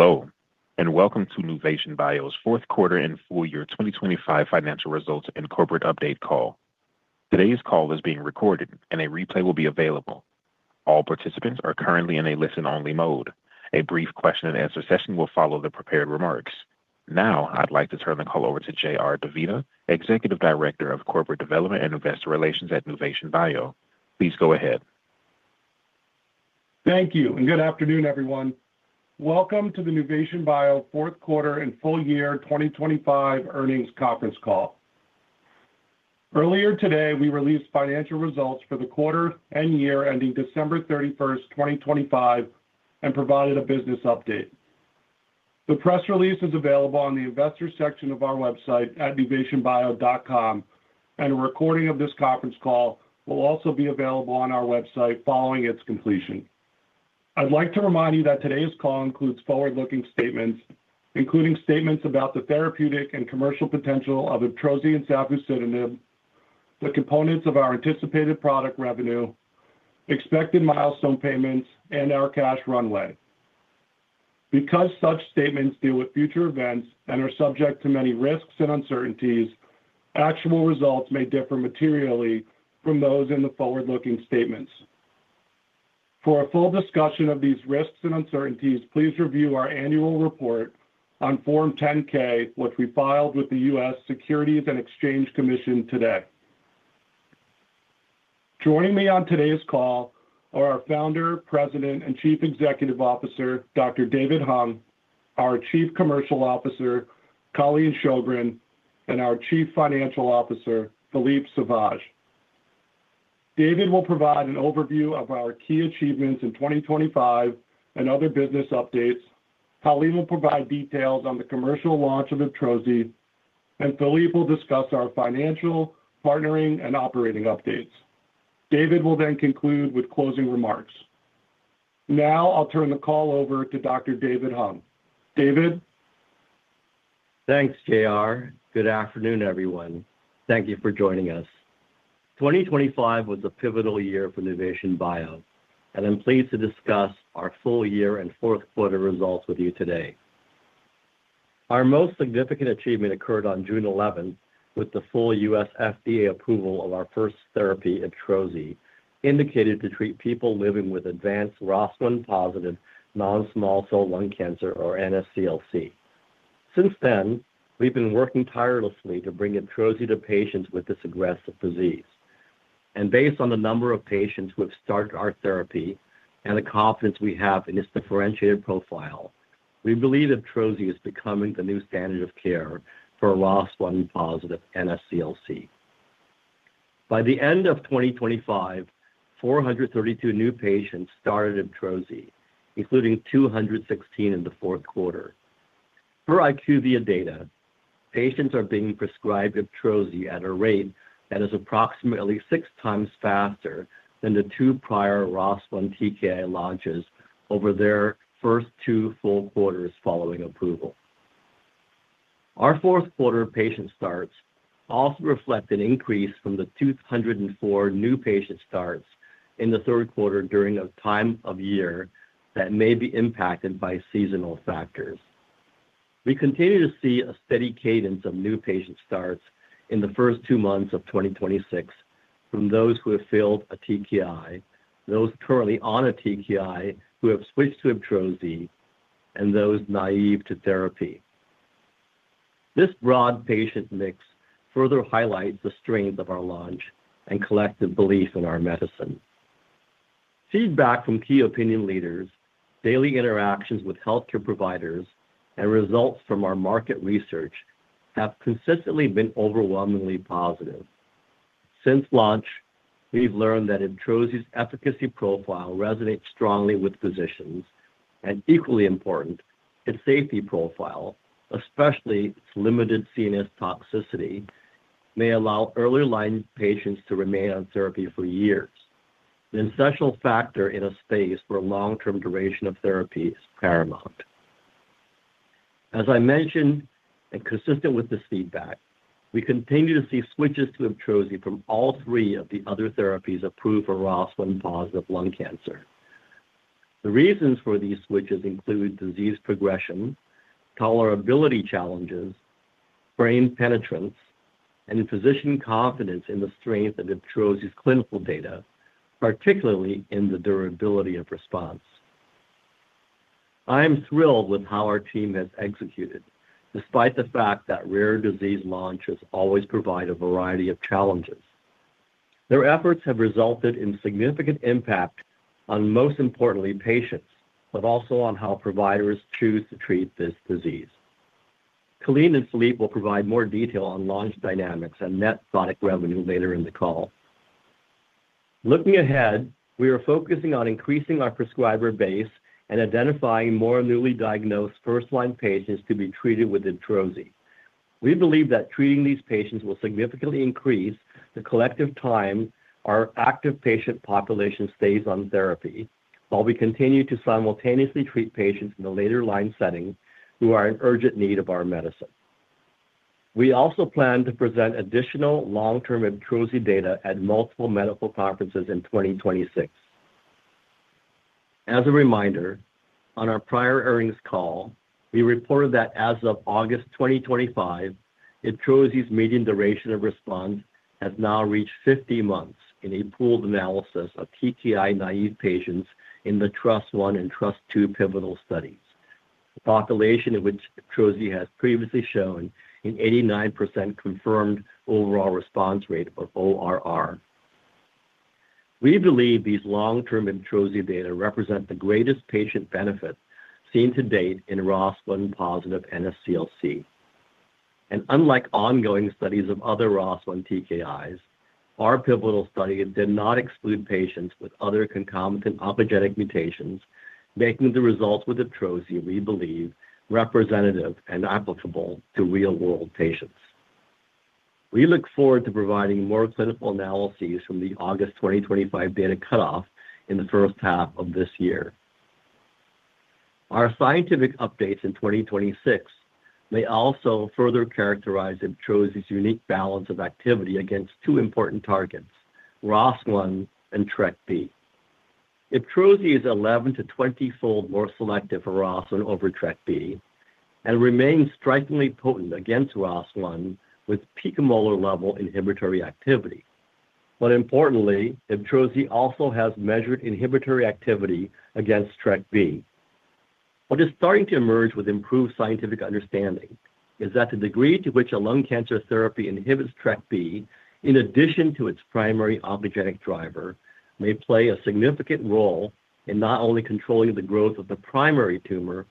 Hello, welcome to Nuvation Bio's Q4 and full year 2025 financial results and corporate update call. Today's call is being recorded, and a replay will be available. All participants are currently in a listen-only mode. A brief question and answer session will follow the prepared remarks. Now, I'd like to turn the call over to J.R. DeVita, Executive Director of Corporate Development and Investor Relations at Nuvation Bio. Please go ahead. Thank you, and good afternoon, everyone. Welcome to the Nuvation Bio Q4 and full year 2025 earnings conference call. Earlier today, we released financial results for the quarter and year ending December 31st, 2025 and provided a business update. The press release is available on the investor section of our website at nuvationbio.com, and a recording of this conference call will also be available on our website following its completion. I'd like to remind you that today's call includes forward-looking statements, including statements about the therapeutic and commercial potential of IBTROZI and safusidenib, the components of our anticipated product revenue, expected milestone payments, and our cash runway. Such statements deal with future events and are subject to many risks and uncertainties, actual results may differ materially from those in the forward-looking statements. For a full discussion of these risks and uncertainties, please review our annual report on Form 10-K, which we filed with the U.S. Securities and Exchange Commission today. Joining me on today's call are our Founder, President, and Chief Executive Officer, Dr. David Hung, our Chief Commercial Officer, Colleen Sjogren, and our Chief Financial Officer, Philippe Sauvage. David will provide an overview of our key achievements in 2025 and other business updates. Colleen will provide details on the commercial launch of IBTROZI. Philippe will discuss our financial, partnering, and operating updates. David will conclude with closing remarks. I'll turn the call over to Dr. David Hung. David? Thanks, J.R. Good afternoon, everyone. Thank you for joining us. 2025 was a pivotal year for Nuvation Bio, I'm pleased to discuss our full year and Q4 results with you today. Our most significant achievement occurred on June 11th, with the full U.S. FDA approval of our first therapy, IBTROZI, indicated to treat people living with advanced ROS1-positive non-small cell lung cancer, or NSCLC. Since then, we've been working tirelessly to bring IBTROZI to patients with this aggressive disease. Based on the number of patients who have started our therapy and the confidence we have in its differentiated profile, we believe IBTROZI is becoming the new standard of care for ROS1-positive NSCLC. By the end of 2025, 432 new patients started IBTROZI, including 216 in the Q4. Per IQVIA data, patients are being prescribed IBTROZI at a rate that is approximately 6 times faster than the two prior ROS1 TKI launches over their first two full quarters following approval. Our Q4 patient starts also reflect an increase from the 204 new patient starts in the Q3 during a time of year that may be impacted by seasonal factors. We continue to see a steady cadence of new patient starts in the first two months of 2026 from those who have failed a TKI, those currently on a TKI who have switched to IBTROZI, and those naive to therapy. This broad patient mix further highlights the strength of our launch and collective belief in our medicine. Feedback from key opinion leaders, daily interactions with healthcare providers, and results from our market research have consistently been overwhelmingly positive. Since launch, we've learned that IBTROZI's efficacy profile resonates strongly with physicians, and equally important, its safety profile, especially its limited CNS toxicity, may allow earlier-line patients to remain on therapy for years. The essential factor in a space where long-term duration of therapy is paramount. As I mentioned, and consistent with this feedback, we continue to see switches to IBTROZI from all three of the other therapies approved for ROS1-positive lung cancer. The reasons for these switches include disease progression, tolerability challenges, brain penetrance, and physician confidence in the strength of IBTROZI's clinical data, particularly in the durability of response. I am thrilled with how our team has executed, despite the fact that rare disease launches always provide a variety of challenges. Their efforts have resulted in significant impact on, most importantly, patients, but also on how providers choose to treat this disease. Colleen and Philippe will provide more detail on launch dynamics and net product revenue later in the call. Looking ahead, we are focusing on increasing our prescriber base and identifying more newly diagnosed first-line patients to be treated with IBTROZI. We believe that treating these patients will significantly increase the collective time our active patient population stays on therapy while we continue to simultaneously treat patients in the later line setting who are in urgent need of our medicine. We also plan to present additional long-term IBTROZI data at multiple medical conferences in 2026. As a reminder, on our prior earnings call, we reported that as of August 2025, IBTROZI's median duration of response has now reached 50 months in a pooled analysis of PTI-naive patients in the TRUST-I and TRUST-II pivotal studies, a population in which IBTROZI has previously shown an 89% confirmed overall response rate of ORR. We believe these long-term IBTROZI data represent the greatest patient benefit seen to date in ROS1-positive NSCLC. Unlike ongoing studies of other ROS1 TKIs, our pivotal study did not exclude patients with other concomitant oncogenic mutations, making the results with IBTROZI, we believe, representative and applicable to real-world patients. We look forward to providing more clinical analyses from the August 2025 data cutoff in the first half of this year. Our scientific updates in 2026 may also further characterize IBTROZI's unique balance of activity against two important targets, ROS1 and TRKB. IBTROZI is 11–20 fold more selective for ROS1 over TRKB and remains strikingly potent against ROS1 with picomolar-level inhibitory activity. Importantly, IBTROZI also has measured inhibitory activity against TRKB. What is starting to emerge with improved scientific understanding is that the degree to which a lung cancer therapy inhibits TRKB in addition to its primary oncogenic driver may play a significant role in not only controlling the growth of the primary tumor,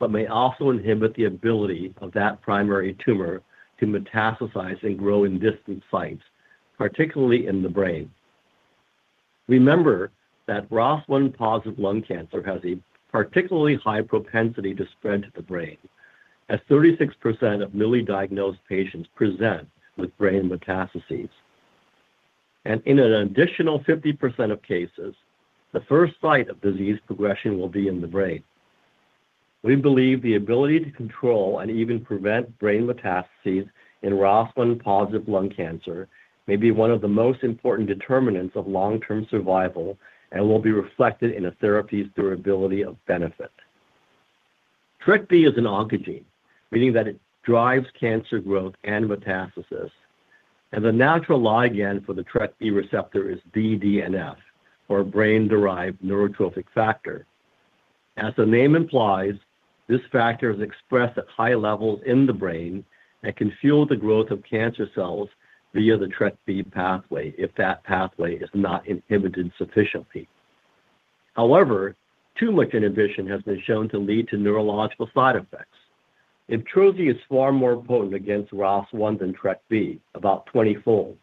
but may also inhibit the ability of that primary tumor to metastasize and grow in distant sites, particularly in the brain. Remember that ROS1-positive lung cancer has a particularly high propensity to spread to the brain, as 36% of newly diagnosed patients present with brain metastases. In an additional 50% of cases, the first site of disease progression will be in the brain. We believe the ability to control and even prevent brain metastases in ROS1-positive lung cancer may be 1 of the most important determinants of long-term survival and will be reflected in a therapy's durability of benefit. TRKB is an oncogene, meaning that it drives cancer growth and metastasis, and the natural ligand for the TRKB receptor is BDNF, or brain-derived neurotrophic factor. As the name implies, this factor is expressed at high levels in the brain and can fuel the growth of cancer cells via the TRKB pathway if that pathway is not inhibited sufficiently. However, too much inhibition has been shown to lead to neurological side effects. IBTROZI is far more potent against ROS1 than TRKB, about 20-fold,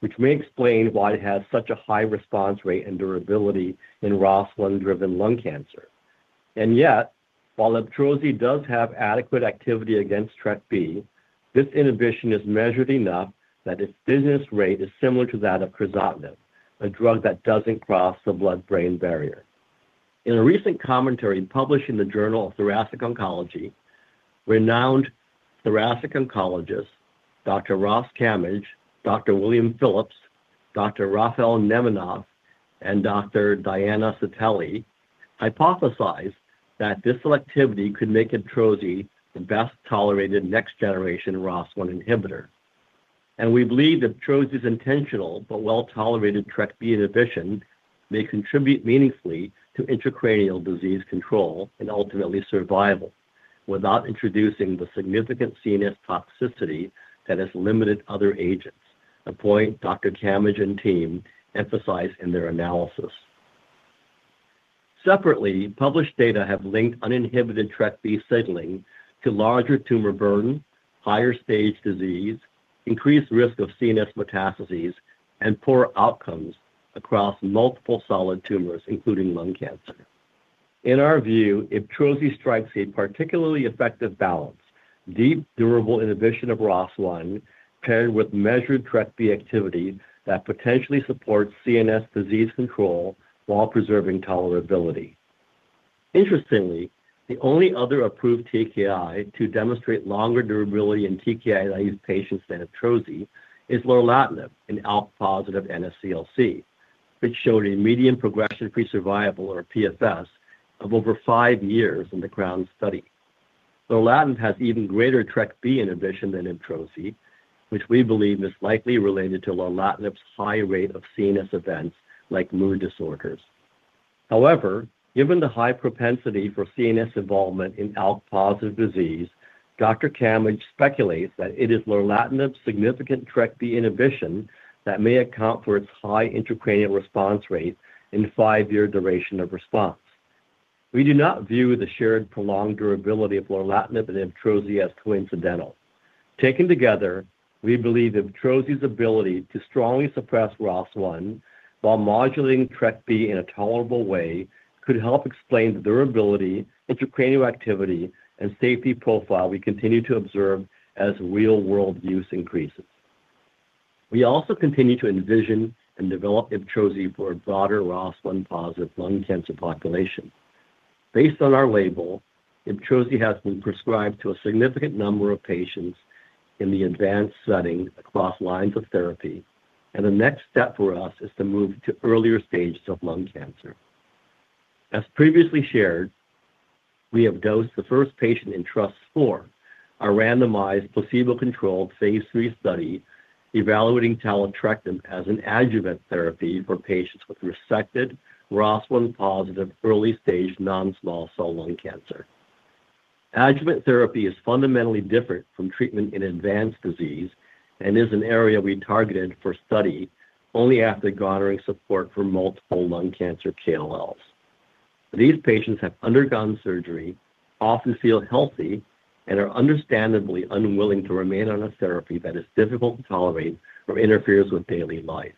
which may explain why it has such a high response rate and durability in ROS1-driven lung cancer. Yet, while IBTROZI does have adequate activity against TRKB, this inhibition is measured enough that its business rate is similar to that of crizotinib, a drug that doesn't cross the blood-brain barrier. In a recent commentary published in the Journal of Thoracic Oncology, renowned thoracic oncologists Dr. Ross Camidge, Dr. William Phillips, Dr. Raphael Nemenoff, and Dr. Diana Cittelly hypothesized that this selectivity could make IBTROZI the best-tolerated next-generation ROS1 inhibitor. We believe IBTROZI's intentional but well-tolerated TRKB inhibition may contribute meaningfully to intracranial disease control and ultimately survival without introducing the significant CNS toxicity that has limited other agents, a point Dr. Camidge and team emphasize in their analysis. Separately, published data have linked uninhibited TRKB signaling to larger tumor burden, higher-stage disease, increased risk of CNS metastases, and poor outcomes across multiple solid tumors, including lung cancer. In our view, IBTROZI strikes a particularly effective balance, deep, durable inhibition of ROS1 paired with measured TRKB activity that potentially supports CNS disease control while preserving tolerability. Interestingly, the only other approved TKI to demonstrate longer durability in TKI-naive patients than IBTROZI is lorlatinib in ALK-positive NSCLC, which showed a median progression-free survival or PFS of over five years in the CROWN study. Lorlatinib has even greater TRKB inhibition than IBTROZI, which we believe is likely related to lorlatinib's high rate of CNS events like mood disorders. However, given the high propensity for CNS involvement in ALK-positive disease, Dr. Camidge speculates that it is lorlatinib's significant TRKB inhibition that may account for its high intracranial response rate and five-year duration of response. We do not view the shared prolonged durability of lorlatinib and IBTROZI as coincidental. Taken together, we believe IBTROZI's ability to strongly suppress ROS1 while modulating TRKB in a tolerable way could help explain the durability, intracranial activity, and safety profile we continue to observe as real-world use increases. We also continue to envision and develop IBTROZI for a broader ROS1-positive lung cancer population. Based on our label, IBTROZI has been prescribed to a significant number of patients in the advanced setting across lines of therapy, and the next step for us is to move to earlier stages of lung cancer. As previously shared, we have dosed the first patient in TRUST-IV, a randomized placebo-controlled phase III study evaluating taletrectinib as an adjuvant therapy for patients with resected ROS1-positive early-stage non-small cell lung cancer. Adjuvant therapy is fundamentally different from treatment in advanced disease and is an area we targeted for study only after garnering support from multiple lung cancer KOLs. These patients have undergone surgery, often feel healthy, and are understandably unwilling to remain on a therapy that is difficult to tolerate or interferes with daily life.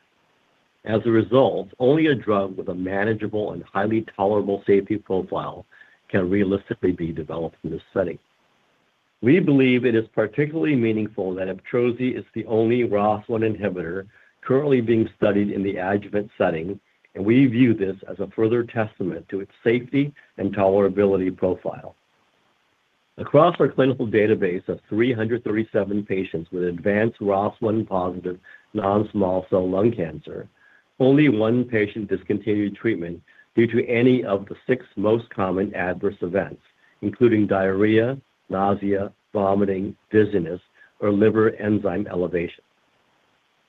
As a result, only a drug with a manageable and highly tolerable safety profile can realistically be developed in this setting. We believe it is particularly meaningful that IBTROZI is the only ROS1 inhibitor currently being studied in the adjuvant setting, and we view this as a further testament to its safety and tolerability profile. Across our clinical database of 337 patients with advanced ROS1-positive non-small cell lung cancer, only one patient discontinued treatment due to any of the 6 most common adverse events, including diarrhea, nausea, vomiting, dizziness, or liver enzyme elevation.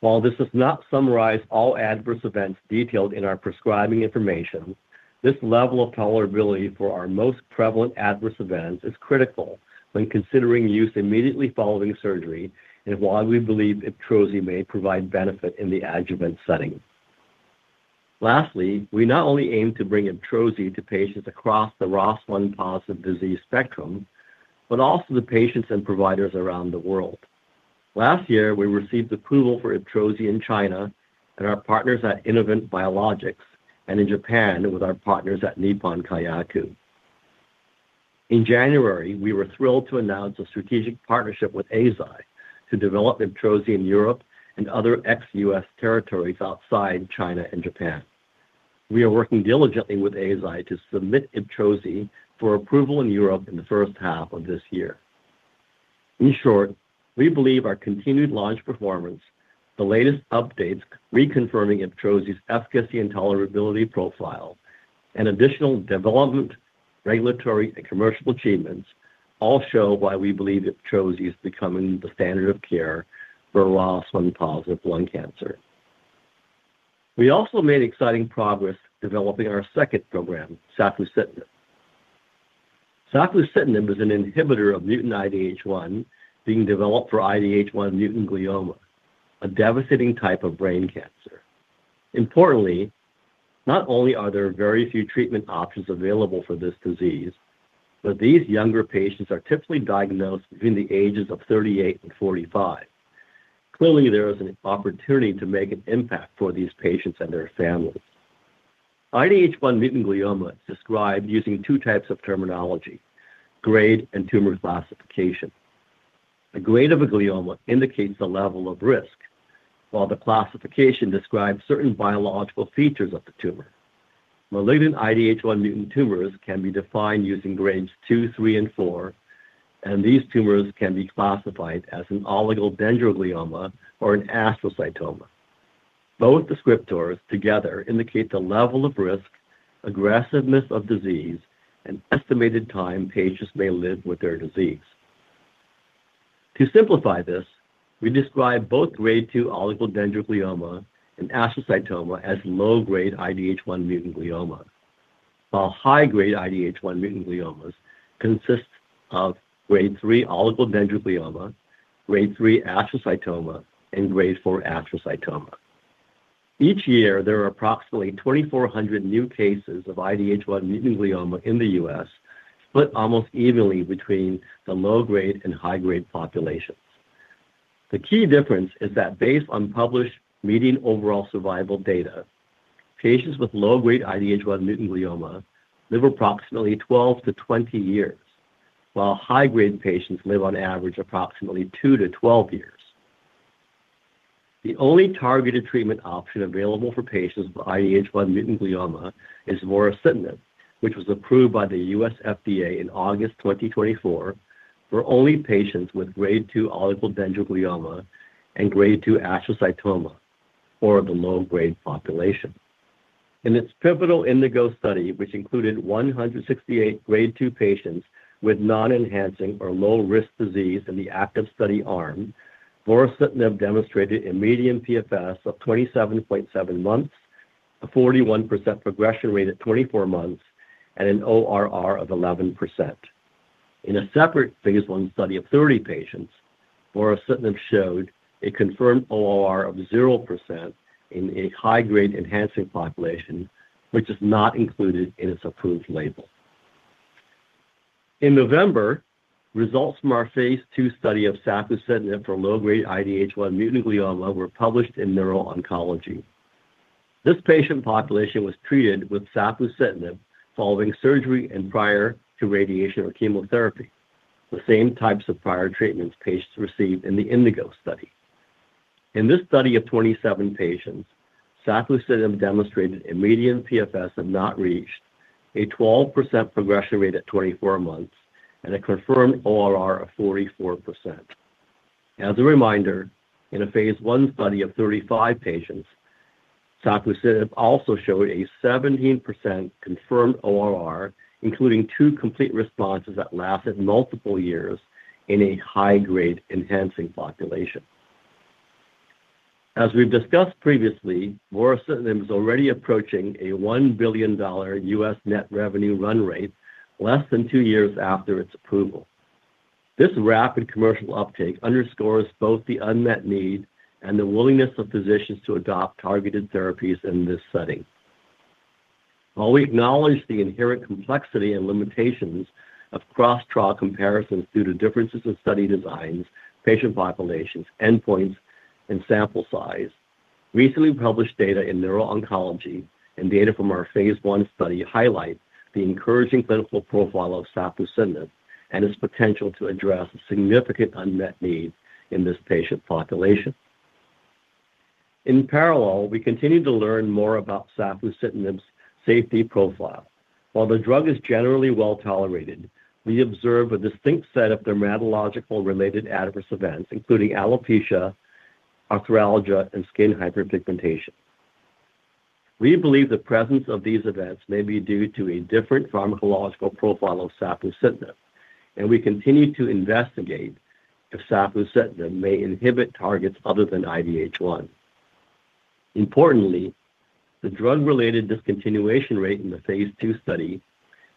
While this does not summarize all adverse events detailed in our prescribing information, this level of tolerability for our most prevalent adverse events is critical when considering use immediately following surgery and why we believe IBTROZI may provide benefit in the adjuvant setting. Lastly, we not only aim to bring IBTROZI to patients across the ROS1-positive disease spectrum, but also to patients and providers around the world. Last year, we received approval for IBTROZI in China and our partners at Innovent Biologics and in Japan with our partners at Nippon Kayaku. In January, we were thrilled to announce a strategic partnership with Eisai to develop IBTROZI in Europe and other ex-U.S. territories outside China and Japan. We are working diligently with Eisai to submit IBTROZI for approval in Europe in the first half of this year. In short, we believe our continued launch performance, the latest updates reconfirming IBTROZI's efficacy and tolerability profile, and additional development, regulatory, and commercial achievements all show why we believe IBTROZI is becoming the standard of care for ROS1-positive lung cancer. We also made exciting progress developing our second program, safusidenib. Safusidenib is an inhibitor of mutant IDH1 being developed for IDH1 mutant glioma, a devastating type of brain cancer. Importantly, not only are there very few treatment options available for this disease, but these younger patients are typically diagnosed between the ages of 38 and 45. Clearly, there is an opportunity to make an impact for these patients and their families. IDH1 mutant glioma is described using two types of terminology, grade and tumor classification. A grade of a glioma indicates the level of risk, while the classification describes certain biological features of the tumor. Malignant IDH1 mutant tumors can be defined using grades 2, 3, and 4, and these tumors can be classified as an oligodendroglioma or an astrocytoma. Both descriptors together indicate the level of risk, aggressiveness of disease, and estimated time patients may live with their disease. To simplify this, we describe both grade 2 oligodendroglioma and astrocytoma as low-grade IDH1 mutant glioma, while high-grade IDH1 mutant gliomas consist of grade 3 oligodendroglioma, grade 3 astrocytoma, and grade 4 astrocytoma. Each year, there are approximately 2,400 new cases of IDH1 mutant glioma in the U.S., split almost evenly between the low-grade and high-grade populations. The key difference is that based on published median overall survival data, patients with low-grade IDH1 mutant glioma live approximately 12-20 years, while high-grade patients live on average approximately two to 12 years. The only targeted treatment option available for patients with IDH1 mutant glioma is vorasidenib, which was approved by the U.S. FDA in August 2024 for only patients with grade 2 oligodendroglioma and grade 2 astrocytoma, or the low-grade population. In its pivotal INDIGO study, which included 168 grade 2 patients with non-enhancing or low-risk disease in the active study arm, vorasidenib demonstrated a median PFS of 27.7 months, a 41% progression rate at 24 months, and an ORR of 11%. In a separate phase I study of 30 patients, vorasidenib showed a confirmed ORR of 0% in a high-grade enhancing population, which is not included in its approved label. In November, results from our phase II study of safusidenib for low-grade IDH1 mutant glioma were published in Neuro-Oncology. This patient population was treated with safusidenib following surgery and prior to radiation or chemotherapy, the same types of prior treatments patients received in the INDIGO study. In this study of 27 patients, safusidenib demonstrated a median PFS of not reached, a 12% progression rate at 24 months and a confirmed ORR of 44%. As a reminder, in a phase I study of 35 patients, safusidenib also showed a 17% confirmed ORR, including two complete responses that lasted multiple years in a high-grade enhancing population. As we've discussed previously, vorasidenib is already approaching a $1 billion net revenue run rate less than two years after its approval. This rapid commercial uptake underscores both the unmet need and the willingness of physicians to adopt targeted therapies in this setting. While we acknowledge the inherent complexity and limitations of cross-trial comparisons due to differences in study designs, patient populations, endpoints, and sample size, recently published data in neuro-oncology and data from our phase I study highlight the encouraging clinical profile of safusidenib and its potential to address significant unmet needs in this patient population. In parallel, we continue to learn more about safusidenib's safety profile. While the drug is generally well-tolerated, we observe a distinct set of dermatological-related adverse events, including alopecia, arthralgia, and skin hyperpigmentation. We believe the presence of these events may be due to a different pharmacological profile of safusidenib, and we continue to investigate if safusidenib may inhibit targets other than IDH1. Importantly, the drug-related discontinuation rate in the phase II study,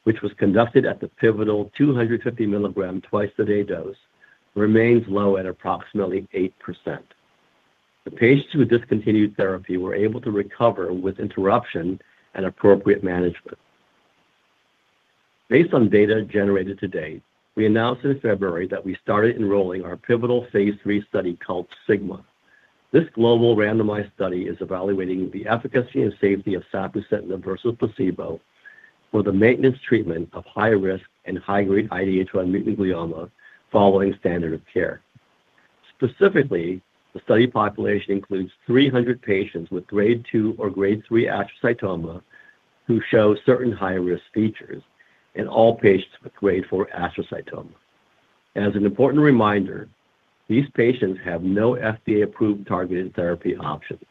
which was conducted at the pivotal 250 milligram twice-a-day dose, remains low at approximately 8%. The patients who discontinued therapy were able to recover with interruption and appropriate management. Based on data generated to date, we announced in February that we started enrolling our pivotal phase III study called SIGMA. This global randomized study is evaluating the efficacy and safety of safusidenib versus placebo for the maintenance treatment of high-risk and high-grade IDH1 mutant glioma following standard of care. Specifically, the study population includes 300 patients with grade 2 or grade 3 astrocytoma who show certain high-risk features in all patients with grade 4 astrocytoma. As an important reminder, these patients have no FDA-approved targeted therapy options.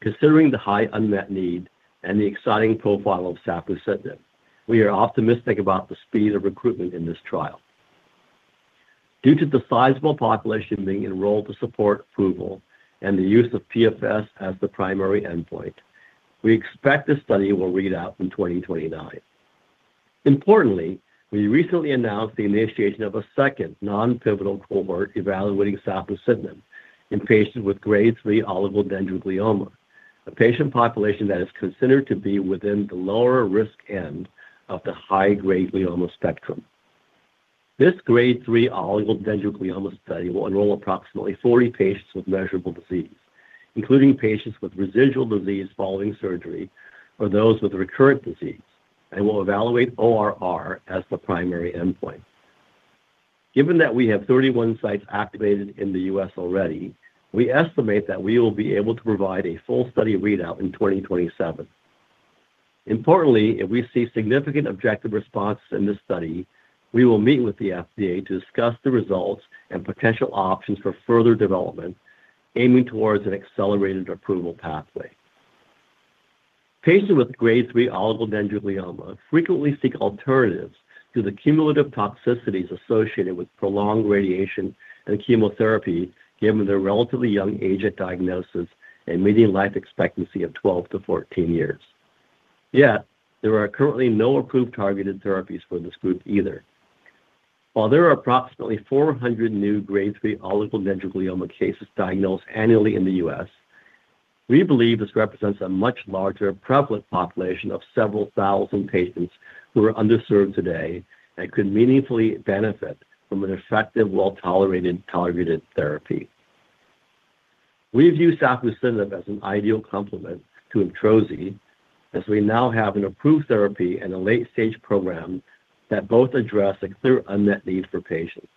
Considering the high unmet need and the exciting profile of safusidenib, we are optimistic about the speed of recruitment in this trial. Due to the sizable population being enrolled to support approval and the use of PFS as the primary endpoint, we expect this study will read out in 2029. Importantly, we recently announced the initiation of a second non-pivotal cohort evaluating safusidenib in patients with grade 3 oligodendroglioma, a patient population that is considered to be within the lower risk end of the high-grade glioma spectrum. This grade 3 oligodendroglioma study will enroll approximately 40 patients with measurable disease, including patients with residual disease following surgery or those with recurrent disease, and will evaluate ORR as the primary endpoint. Given that we have 31 sites activated in the U.S. already, we estimate that we will be able to provide a full study readout in 2027. Importantly, if we see significant objective response in this study, we will meet with the FDA to discuss the results and potential options for further development, aiming towards an accelerated approval pathway. Patients with grade 3 oligodendroglioma frequently seek alternatives to the cumulative toxicities associated with prolonged radiation and chemotherapy, given their relatively young age at diagnosis and median life expectancy of 12-14 years. There are currently no approved targeted therapies for this group either. While there are approximately 400 new grade 3 oligodendroglioma cases diagnosed annually in the U.S., we believe this represents a much larger prevalent population of several thousand patients who are underserved today and could meaningfully benefit from an effective, well-tolerated, targeted therapy. We view safusidenib as an ideal complement to IBTROZI, as we now have an approved therapy and a late-stage program that both address a clear unmet need for patients.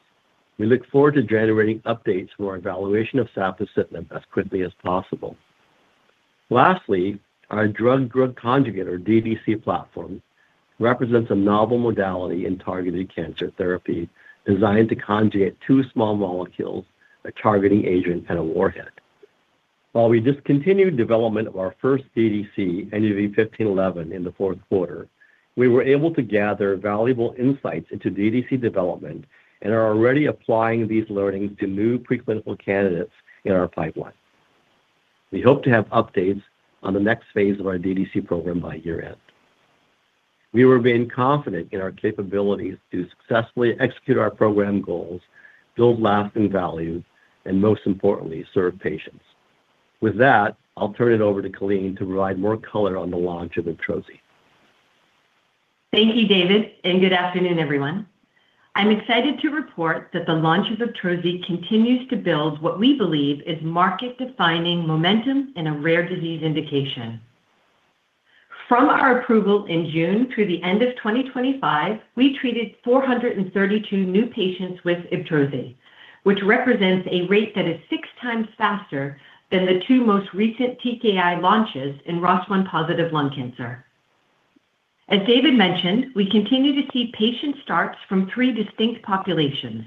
We look forward to generating updates from our evaluation of safusidenib as quickly as possible. Our drug-drug conjugate, or DDC platform, represents a novel modality in targeted cancer therapy designed to conjugate two small molecules, a targeting agent, and a warhead. While we discontinued development of our first DDC, NUV-1511, in the Q4, we were able to gather valuable insights into DDC development and are already applying these learnings to new preclinical candidates in our pipeline. We hope to have updates on the next phase of our DDC program by year-end. We remain confident in our capabilities to successfully execute our program goals, build lasting value, and most importantly, serve patients. I'll turn it over to Colleen to provide more color on the launch of IBTROZI. Thank you, David. Good afternoon, everyone. I'm excited to report that the launch of IBTROZI continues to build what we believe is market-defining momentum in a rare disease indication. From our approval in June through the end of 2025, we treated 432 new patients with IBTROZI, which represents a rate that is six times faster than the two most recent TKI launches in ROS1-positive lung cancer. As David mentioned, we continue to see patient starts from three distinct populations.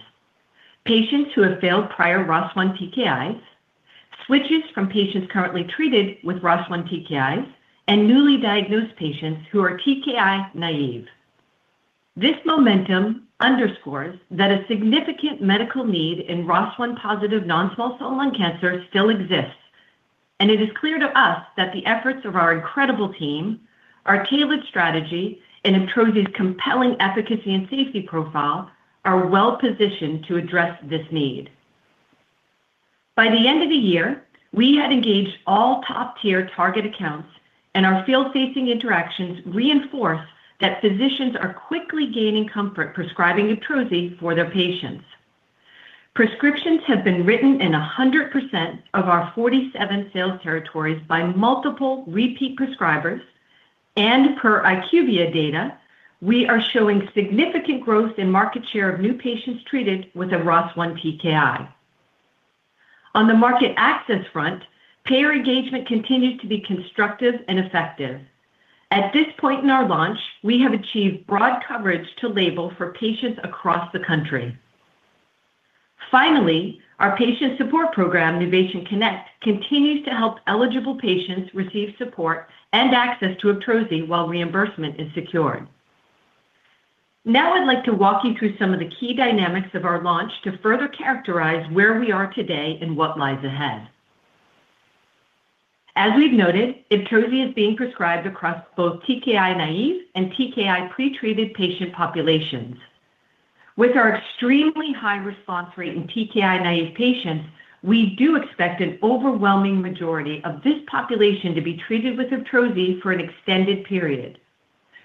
Patients who have failed prior ROS1 TKIs, switches from patients currently treated with ROS1 TKIs, and newly diagnosed patients who are TKI naive. This momentum underscores that a significant medical need in ROS1-positive non-small cell lung cancer still exists. It is clear to us that the efforts of our incredible team, our tailored strategy, and IBTROZI's compelling efficacy and safety profile are well-positioned to address this need. By the end of the year, we had engaged all top-tier target accounts. Our field-facing interactions reinforce that physicians are quickly gaining comfort prescribing IBTROZI for their patients. Prescriptions have been written in 100% of our 47 sales territories by multiple repeat prescribers. Per IQVIA data, we are showing significant growth in market share of new patients treated with a ROS1 TKI. On the market access front, payer engagement continues to be constructive and effective. At this point in our launch, we have achieved broad coverage to label for patients across the country. Our patient support program, NuvationConnect, continues to help eligible patients receive support and access to IBTROZI while reimbursement is secured. I'd like to walk you through some of the key dynamics of our launch to further characterize where we are today and what lies ahead. As we've noted, IBTROZI is being prescribed across both TKI naive and TKI pretreated patient populations. With our extremely high response rate in TKI naive patients, we do expect an overwhelming majority of this population to be treated with IBTROZI for an extended period,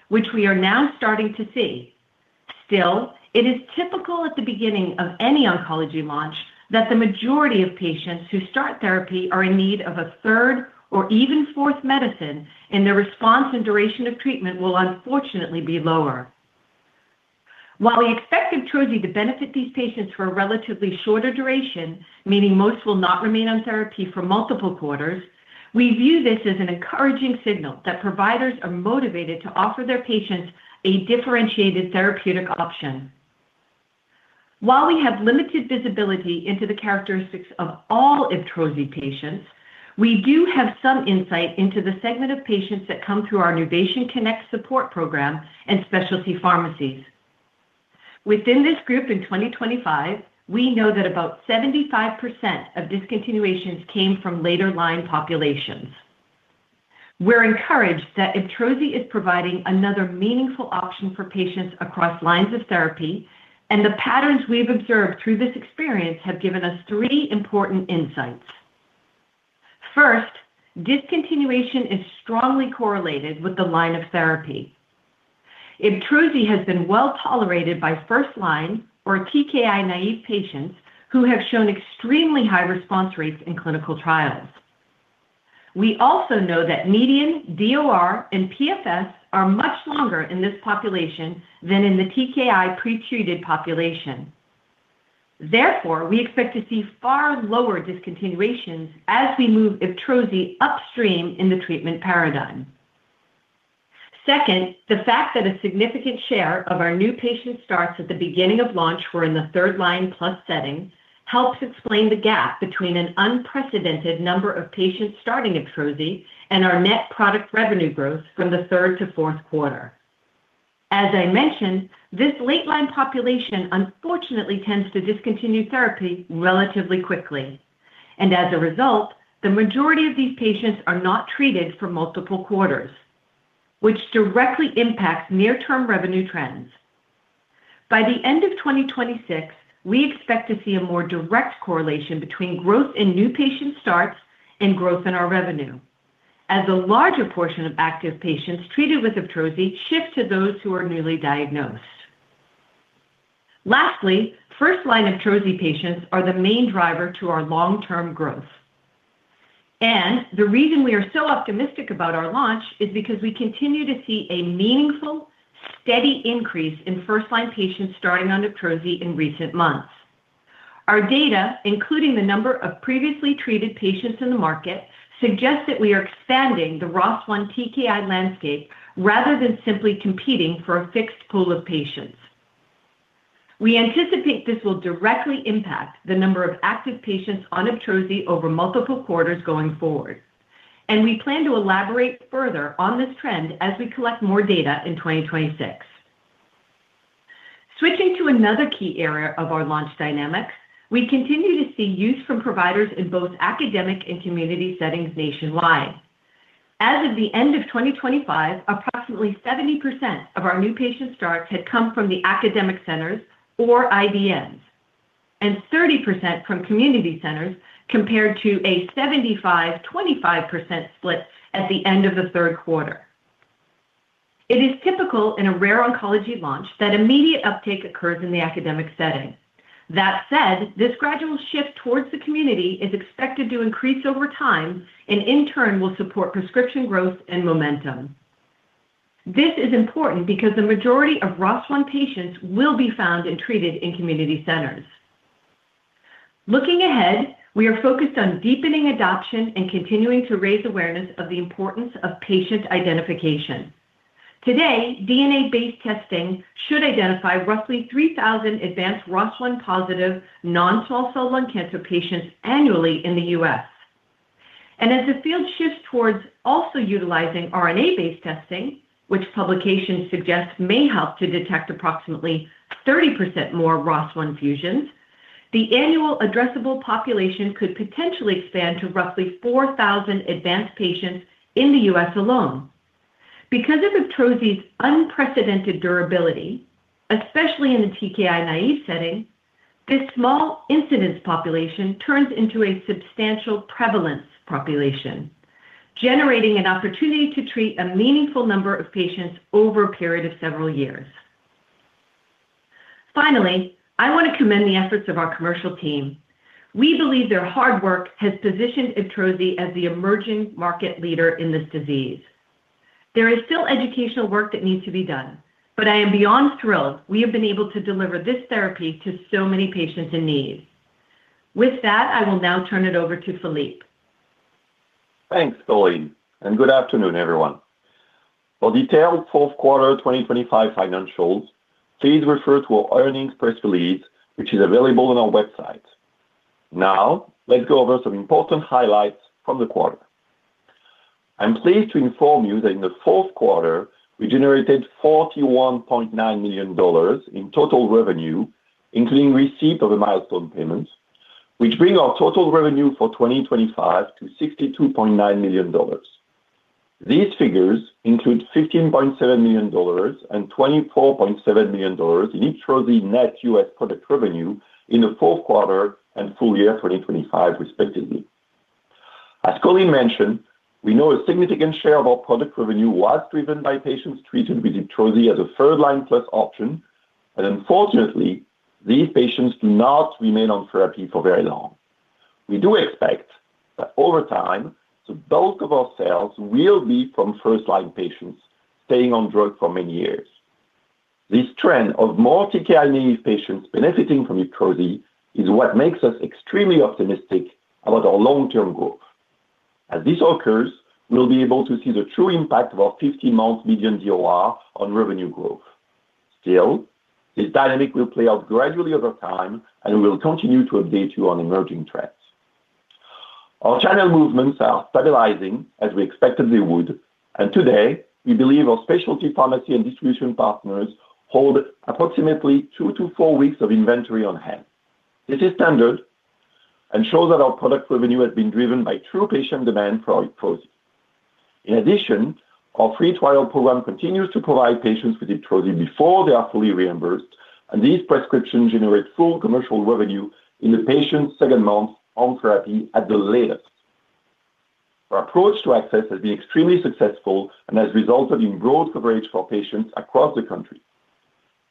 which we are now starting to see. It is typical at the beginning of any oncology launch that the majority of patients who start therapy are in need of a third or even fourth medicine, and their response and duration of treatment will unfortunately be lower. While we expect IBTROZI to benefit these patients for a relatively shorter duration, meaning most will not remain on therapy for multiple quarters, we view this as an encouraging signal that providers are motivated to offer their patients a differentiated therapeutic option. While we have limited visibility into the characteristics of all IBTROZI patients, we do have some insight into the segment of patients that come through our NuvationConnect support program and specialty pharmacies. Within this group in 2025, we know that about 75% of discontinuations came from later line populations. We're encouraged that IBTROZI is providing another meaningful option for patients across lines of therapy, and the patterns we've observed through this experience have given us three important insights. First, discontinuation is strongly correlated with the line of therapy. IBTROZI has been well tolerated by first line or TKI naive patients who have shown extremely high response rates in clinical trials. We also know that median DOR and PFS are much longer in this population than in the TKI pretreated population. Therefore, we expect to see far lower discontinuations as we move IBTROZI upstream in the treatment paradigm. Second, the fact that a significant share of our new patient starts at the beginning of launch were in the third-line plus setting helps explain the gap between an unprecedented number of patients starting IBTROZI and our net product revenue growth from the third to Q4. As I mentioned, this late-line population unfortunately tends to discontinue therapy relatively quickly, and as a result, the majority of these patients are not treated for multiple quarters, which directly impacts near-term revenue trends. By the end of 2026, we expect to see a more direct correlation between growth in new patient starts and growth in our revenue as a larger portion of active patients treated with IBTROZI shift to those who are newly diagnosed. Lastly, first-line IBTROZI patients are the main driver to our long-term growth. The reason we are so optimistic about our launch is because we continue to see a meaningful, steady increase in first-line patients starting on IBTROZI in recent months. Our data, including the number of previously treated patients in the market, suggests that we are expanding the ROS1 TKI landscape rather than simply competing for a fixed pool of patients. We anticipate this will directly impact the number of active patients on IBTROZI over multiple quarters going forward. We plan to elaborate further on this trend as we collect more data in 2026. Switching to another key area of our launch dynamics, we continue to see use from providers in both academic and community settings nationwide. As of the end of 2025, approximately 70% of our new patient starts had come from the academic centers or IDNs. And 30% from community centers compared to a 75%, 25% split at the end of the Q3. It is typical in a rare oncology launch that immediate uptake occurs in the academic setting. That said, this gradual shift towards the community is expected to increase over time and in turn will support prescription growth and momentum. This is important because the majority of ROS1 patients will be found and treated in community centers. Looking ahead, we are focused on deepening adoption and continuing to raise awareness of the importance of patient identification. Today, DNA-based testing should identify roughly 3,000 advanced ROS1-positive non-small cell lung cancer patients annually in the U.S. As the field shifts towards also utilizing RNA-based testing, which publications suggest may help to detect approximately 30% more ROS1 fusions, the annual addressable population could potentially expand to roughly 4,000 advanced patients in the U.S. alone. Because of IBTROZI's unprecedented durability, especially in the TKI-naive setting, this small incidence population turns into a substantial prevalence population, generating an opportunity to treat a meaningful number of patients over a period of several years. Finally, I want to commend the efforts of our commercial team. We believe their hard work has positioned IBTROZI as the emerging market leader in this disease. There is still educational work that needs to be done, but I am beyond thrilled we have been able to deliver this therapy to so many patients in need. With that, I will now turn it over to Philippe. Thanks, Colleen. Good afternoon,. For detailed Q4 2025 financials, please refer to our earnings press release, which is available on our website. Let's go over some important highlights from the quarter. I'm pleased to inform you that in the Q4, we generated $41.9 million in total revenue, including receipt of a milestone payment, which bring our total revenue for 2025 to $62.9 million. These figures include $15.7 million and $24.7 million in IBTROZI net U.S. product revenue in the Q4 and full year 2025, respectively. As Colleen mentioned, we know a significant share of our product revenue was driven by patients treated with IBTROZI as a third-line plus option, and unfortunately, these patients do not remain on therapy for very long. We do expect that over time, the bulk of our sales will be from first-line patients staying on drug for many years. This trend of more TKI-naive patients benefiting from IBTROZI is what makes us extremely optimistic about our long-term growth. As this occurs, we'll be able to see the true impact of our 50-month median DOR on revenue growth. Still, this dynamic will play out gradually over time, and we will continue to update you on emerging trends. Today, we believe our specialty pharmacy and distribution partners hold approximately two to four weeks of inventory on hand. This is standard and shows that our product revenue has been driven by true patient demand for IBTROZI. In addition, our free trial program continues to provide patients with IBTROZI before they are fully reimbursed. These prescriptions generate full commercial revenue in the patient's second month on therapy at the latest. Our approach to access has been extremely successful and has resulted in broad coverage for patients across the country.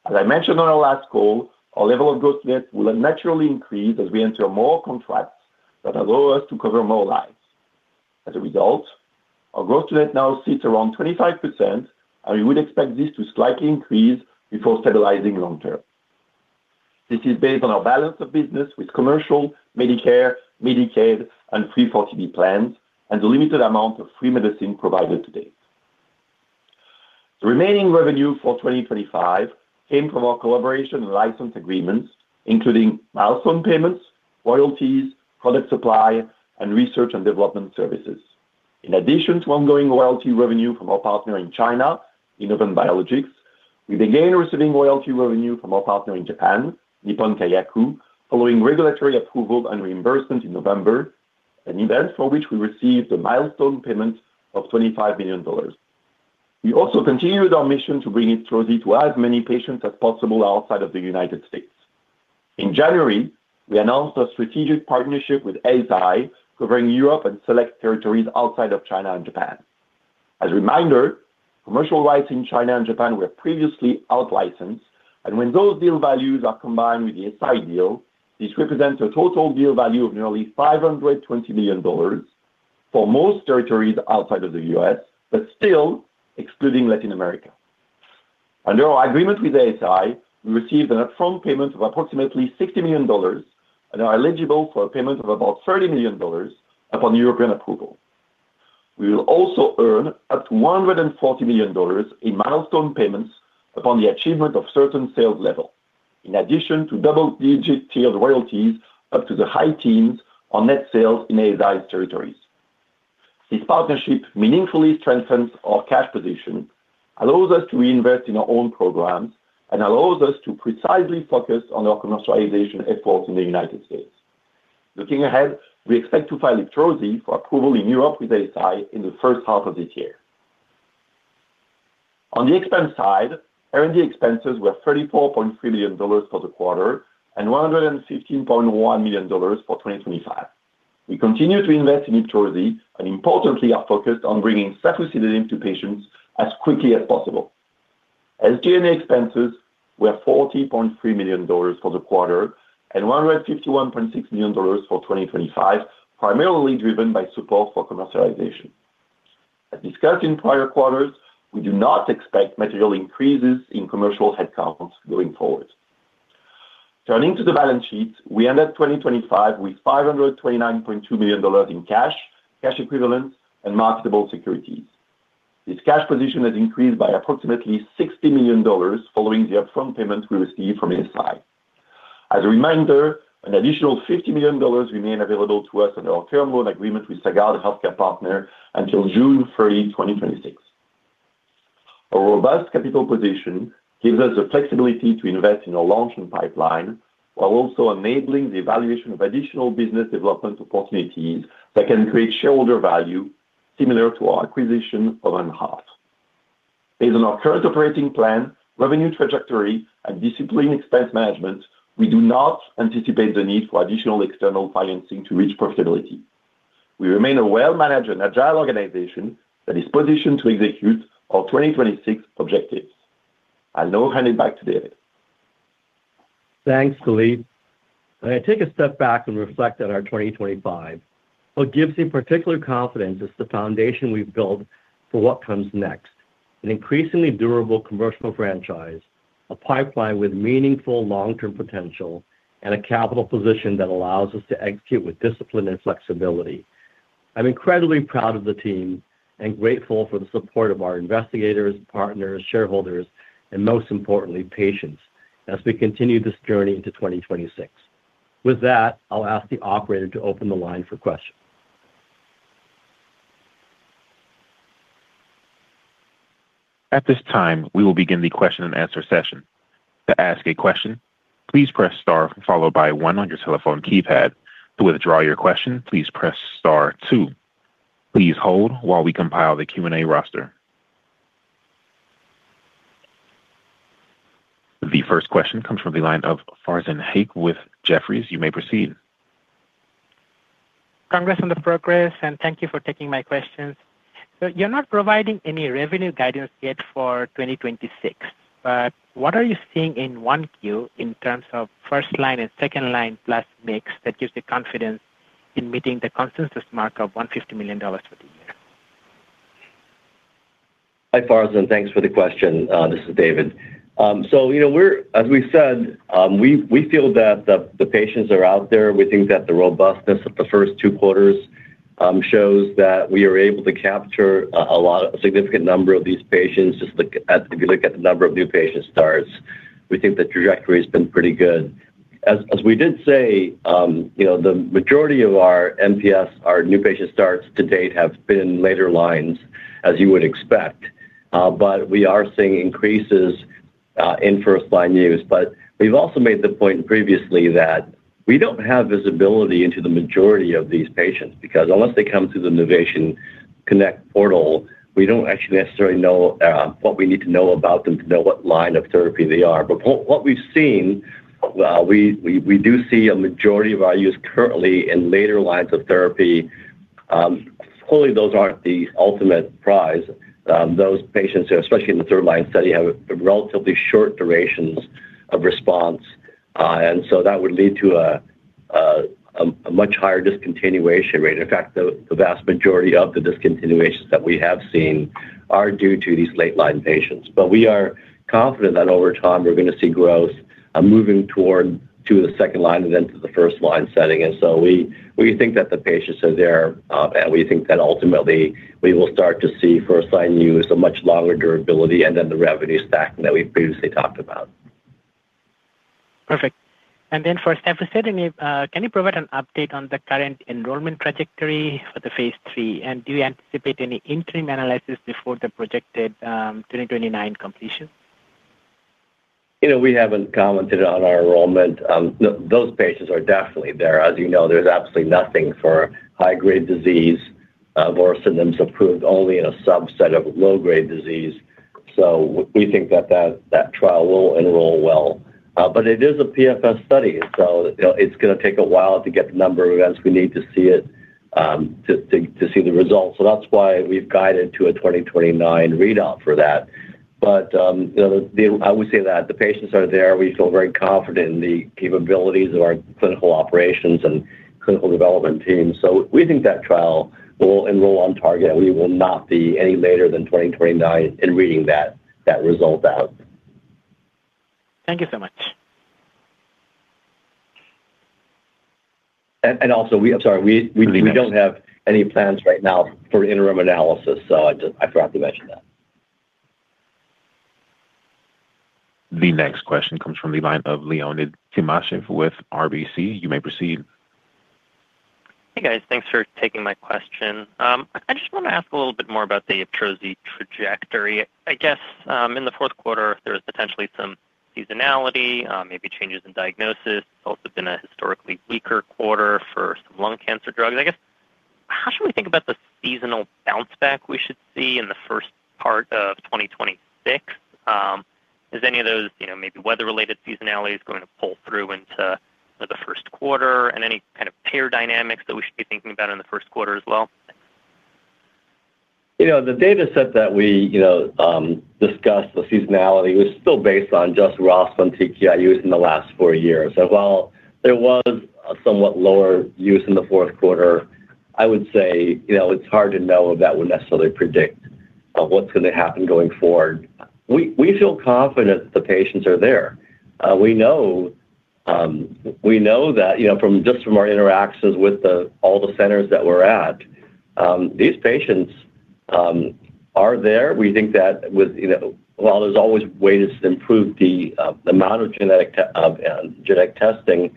As I mentioned on our last call, our level of gross net will naturally increase as we enter more contracts that allow us to cover more lives. As a result, our gross net now sits around 25%. We would expect this to slightly increase before stabilizing long term. This is based on our balance of business with commercial Medicare, Medicaid, and 340B plans and the limited amount of free medicine provided to date. The remaining revenue for 2025 came from our collaboration and license agreements, including milestone payments, royalties, product supply, and research and development services. Addition to ongoing royalty revenue from our partner in China, Innovent Biologics, we began receiving royalty revenue from our partner in Japan, Nippon Kayaku, following regulatory approval and reimbursement in November, an event for which we received a milestone payment of $25 million. We also continued our mission to bring IBTROZI to as many patients as possible outside of the United States. January, we announced a strategic partnership with Eisai covering Europe and select territories outside of China and Japan. As a reminder, commercial rights in China and Japan were previously out-licensed. When those deal values are combined with the ASI deal, this represents a total deal value of nearly $520 million for most territories outside of the U.S., still excluding Latin America. Under our agreement with ASI, we received an upfront payment of approximately $60 million and are eligible for a payment of about $30 million upon European approval. We will also earn up to $140 million in milestone payments upon the achievement of certain sales level, in addition to double-digit tiered royalties up to the high teens on net sales in ASI's territories. This partnership meaningfully strengthens our cash position, allows us to reinvest in our own programs, and allows us to precisely focus on our commercialization efforts in the United States. Looking ahead, we expect to file IBTROZI for approval in Europe with Eisai in the first half of this year. On the expense side, R&D expenses were $34.3 million for the quarter and $115.1 million for 2025. We continue to invest in IBTROZI and importantly are focused on bringing safusidenib to patients as quickly as possible. SG&A expenses were $40.3 million for the quarter and $151.6 million for 2025, primarily driven by support for commercialization. As discussed in prior quarters, we do not expect material increases in commercial headcounts going forward. Turning to the balance sheet, we ended 2025 with $529.2 million in cash equivalents and marketable securities. This cash position has increased by approximately $60 million following the upfront payment we received from ASI. As a reminder, an additional $50 million remain available to us under our term loan agreement with Sagard Healthcare Partners until June 30, 2026. A robust capital position gives us the flexibility to invest in our launch and pipeline while also enabling the evaluation of additional business development opportunities that can create shareholder value similar to our acquisition of Anheart. Based on our current operating plan, revenue trajectory and disciplined expense management, we do not anticipate the need for additional external financing to reach profitability. We remain a well-managed and agile organization that is positioned to execute our 2026 objectives. I'll now hand it back to David. Thanks, Philippe. When I take a step back and reflect on our 2025, what gives me particular confidence is the foundation we've built for what comes next. An increasingly durable commercial franchise, a pipeline with meaningful long-term potential, and a capital position that allows us to execute with discipline and flexibility. I'm incredibly proud of the team and grateful for the support of our investigators, partners, shareholders and most importantly, patients as we continue this journey into 2026. With that, I'll ask the operator to open the line for questions. At this time, we will begin the question and answer session. To ask a question, please press star followed by one on your telephone keypad. To withdraw your question, please press star 2. Please hold while we compile the Q&A roster. The first question comes from the line of Farzin Haque with Jefferies. You may proceed. Congrats on the progress and thank you for taking my questions. You're not providing any revenue guidance yet for 2026, but what are you seeing in 1Q in terms of first line and second line plus mix that gives you confidence in meeting the consensus mark of $150 million for the year? Hi, Farzin. Thanks for the question. This is David. You know, as we said, we feel that the patients are out there. We think that the robustness of the first two quarters shows that we are able to capture a significant number of these patients, if you look at the number of new patient starts, we think the trajectory has been pretty good. As we did say, you know, the majority of our NPS, our new patient starts to date have been later lines, as you would expect, but we are seeing increases in first-line use. We've also made the point previously that we don't have visibility into the majority of these patients, because unless they come through the NuvationConnect portal, we don't actually necessarily know what we need to know about them to know what line of therapy they are. What we've seen, we do see a majority of our use currently in later lines of therapy. Clearly those aren't the ultimate prize. Those patients, especially in the third line study, have relatively short durations of response. That would lead to a much higher discontinuation rate. In fact, the vast majority of the discontinuations that we have seen are due to these late line patients. We are confident that over time, we're going to see growth moving toward to the second line and then to the first line setting. We think that the patients are there, and we think that ultimately we will start to see first line use a much longer durability and then the revenue stack that we previously talked about. Perfect. For safusidenib, can you provide an update on the current enrollment trajectory for the phase III? Do you anticipate any interim analysis before the projected 2029 completion? You know, we haven't commented on our enrollment. Those patients are definitely there. As you know, there's absolutely nothing for high-grade disease. Vorasidenib has approved only in a subset of low-grade disease. We think that trial will enroll well. It is a PFS study, so it's gonna take a while to get the number of events we need to see it to see the results. That's why we've guided to a 2029 readout for that. I would say that the patients are there. We feel very confident in the capabilities of our clinical operations and clinical development team. We think that trial will enroll on target, and we will not be any later than 2029 in reading that result out. Thank you so much. Also I'm sorry, we don't have any plans right now for interim analysis. I forgot to mention that. The next question comes from the line of Leonid Timashev with RBC. You may proceed. Hey, guys. Thanks for taking my question. I just want to ask a little bit more about the IBTROZI trajectory. I guess, in the Q4, there was potentially some seasonality, maybe changes in diagnosis. It's also been a historically weaker quarter for some lung cancer drugs, I guess. How should we think about the seasonal bounce back we should see in the first part of 2026? Is any of those, you know, maybe weather-related seasonality is going to pull through into the Q1? Any kind of peer dynamics that we should be thinking about in the Q1 as well? You know, the data set that we, you know, discussed, the seasonality, was still based on just ROS1 TKI use in the last four years. While there was a somewhat lower use in the Q4, I would say, you know, it's hard to know if that would necessarily predict of what's going to happen going forward. We feel confident the patients are there. We know that, you know, from just from our interactions with all the centers that we're at, these patients are there. We think that with, you know, while there's always ways to improve the amount of genetic testing,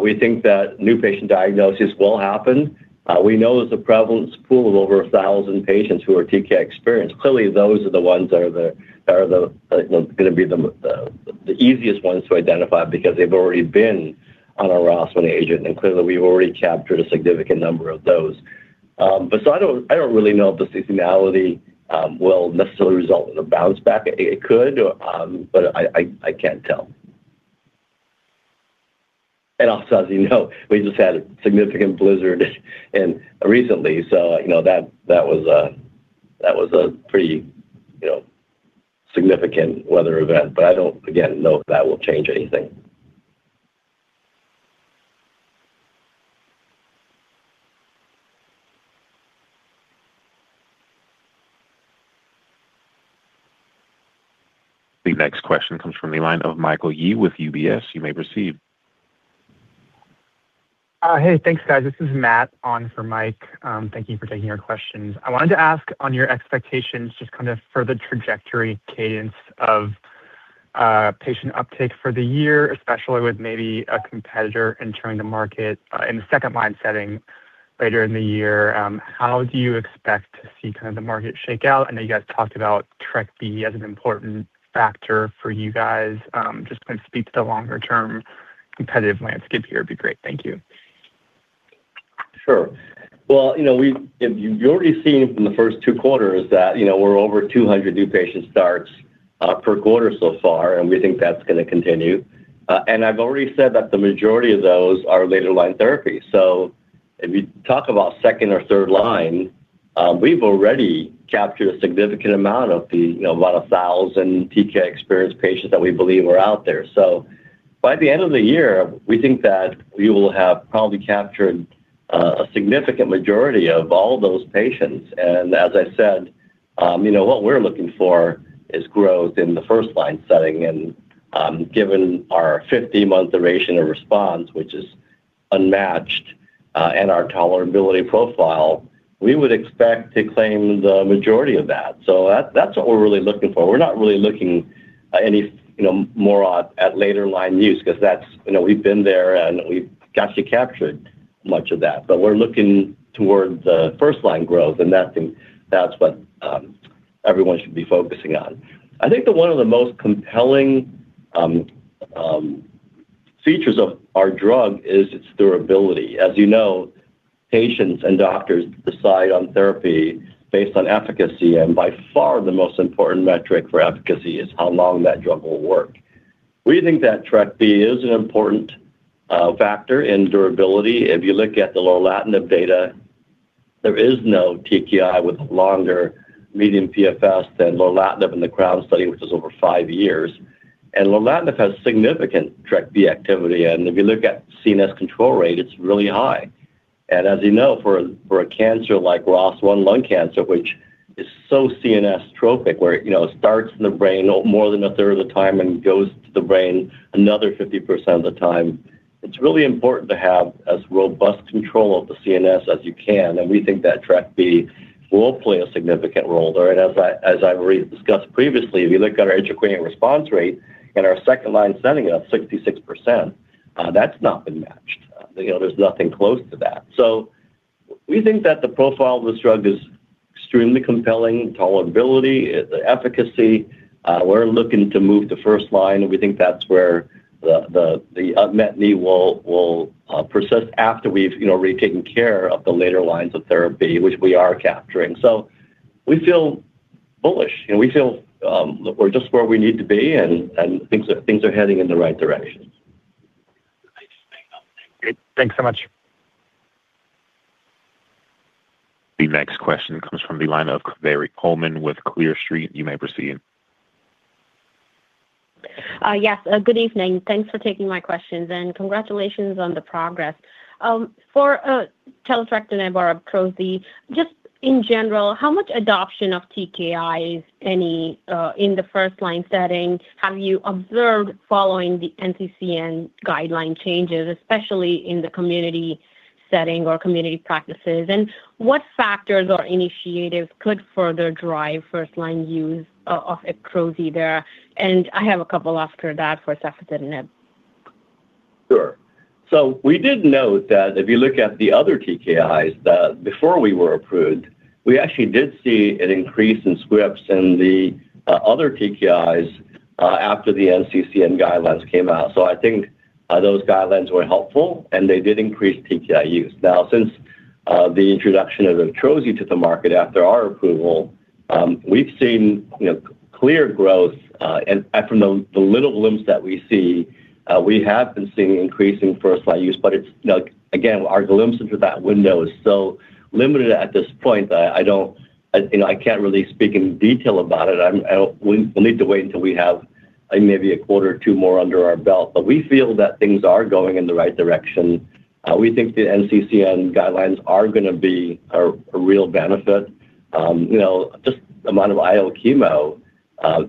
we think that new patient diagnosis will happen. We know there's a prevalence pool of over 1,000 patients who are TKI experienced. Clearly, those are the ones that are the, that are the, like, gonna be the, the easiest ones to identify because they've already been on a ROS1 agent, and clearly we've already captured a significant number of those. I don't, I don't really know if the seasonality will necessarily result in a bounce back. It could, I can't tell. Also, as you know, we just had a significant blizzard recently, so, you know, that was a pretty, you know, significant weather event. I don't, again, know if that will change anything. The next question comes from the line of Michael Yee with UBS. You may proceed. Hey, thanks, guys. This is Matt on for Mike. Thank you for taking our questions. I wanted to ask on your expectations just kind of for the trajectory cadence of patient uptake for the year, especially with maybe a competitor entering the market in the second-line setting later in the year. How do you expect to see kind of the market shakeout? I know you guys talked about TRKB as an important factor for you guys. Just kind of speak to the longer-term competitive landscape here would be great. Thank you. Sure. Well, you know, you've already seen from the first two quarters that, you know, we're over 200 new patient starts per quarter so far, and we think that's gonna continue. I've already said that the majority of those are later line therapy. If you talk about second or third line, we've already captured a significant amount of the, you know, about 1,000 TKI-experienced patients that we believe are out there. By the end of the year, we think that we will have probably captured a significant majority of all those patients. As I said, you know, what we're looking for is growth in the first-line setting. Given our 50-month duration of response, which is unmatched, and our tolerability profile, we would expect to claim the majority of that. That's what we're really looking for. We're not really looking, any, you know, more at later line use 'cause that's, you know, we've been there, and we've actually captured much of that. We're looking towards first line growth, and that's what everyone should be focusing on. I think that one of the most compelling features of our drug is its durability. As you know, patients and doctors decide on therapy based on efficacy, and by far the most important metric for efficacy is how long that drug will work. We think that TRKB is an important factor in durability. If you look at the lorlatinib data, there is no TKI with longer median PFS than lorlatinib in the CROWN study, which is over five years. Lorlatinib has significant TRKB activity, and if you look at CNS control rate, it's really high. As you know, for a cancer like ROS1 lung cancer, which is so CNS trophic, where, you know, it starts in the brain more than 1/3 of the time and goes to the brain another 50% of the time, it's really important to have as robust control of the CNS as you can, and we think that TRKB will play a significant role there. As I've already discussed previously, if you look at our overall response rate in our second-line setting of 66%, that's not been matched. You know, there's nothing close to that. We think that the profile of this drug is extremely compelling, tolerability, the efficacy. We're looking to move to first line, we think that's where the unmet need will persist after we've, you know, already taken care of the later lines of therapy, which we are capturing. We feel bullish, and we feel we're just where we need to be, and things are heading in the right direction. Great. Thanks so much. The next question comes from the line of Kaveri Pohlman with Clear Street. You may proceed. Yes. Good evening. Thanks for taking my questions. Congratulations on the progress. For taletrectinib or IBTROZI, just in general, how much adoption of TKIs in the first-line setting have you observed following the NCCN guideline changes, especially in the community setting or community practices? What factors or initiatives could further drive first-line use of IBTROZI there? I have a couple after that for safusidenib. Sure. We did note that if you look at the other TKIs, that before we were approved, we actually did see an increase in scripts in the other TKIs after the NCCN guidelines came out. I think those guidelines were helpful and they did increase TKI use. Now, since the introduction of IBTROZI to the market after our approval, we've seen clear growth. From the little glimpse that we see, we have been seeing increasing first-line use, but it's like, again, our glimpse into that window is so limited at this point that I don't, you know, I can't really speak in detail about it. We'll need to wait until we have maybe a quarter or two more under our belt, but we feel that things are going in the right direction. We think the NCCN guidelines are going to be a real benefit. You know, just the amount of IO chemo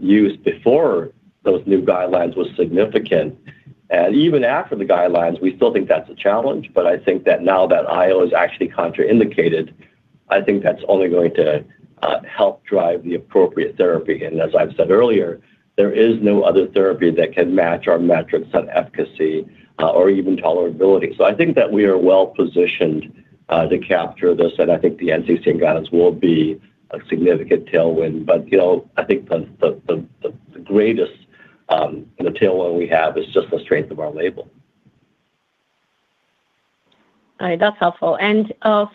used before those new guidelines was significant. Even after the guidelines, we still think that's a challenge, but I think that now that IO is actually contraindicated, I think that's only going to help drive the appropriate therapy. As I've said earlier, there is no other therapy that can match our metrics of efficacy or even tolerability. I think that we are well positioned to capture this. I think the NCCN guidelines will be a significant tailwind, but, you know, I think the greatest tailwind we have is just the strength of our label. All right. That's helpful.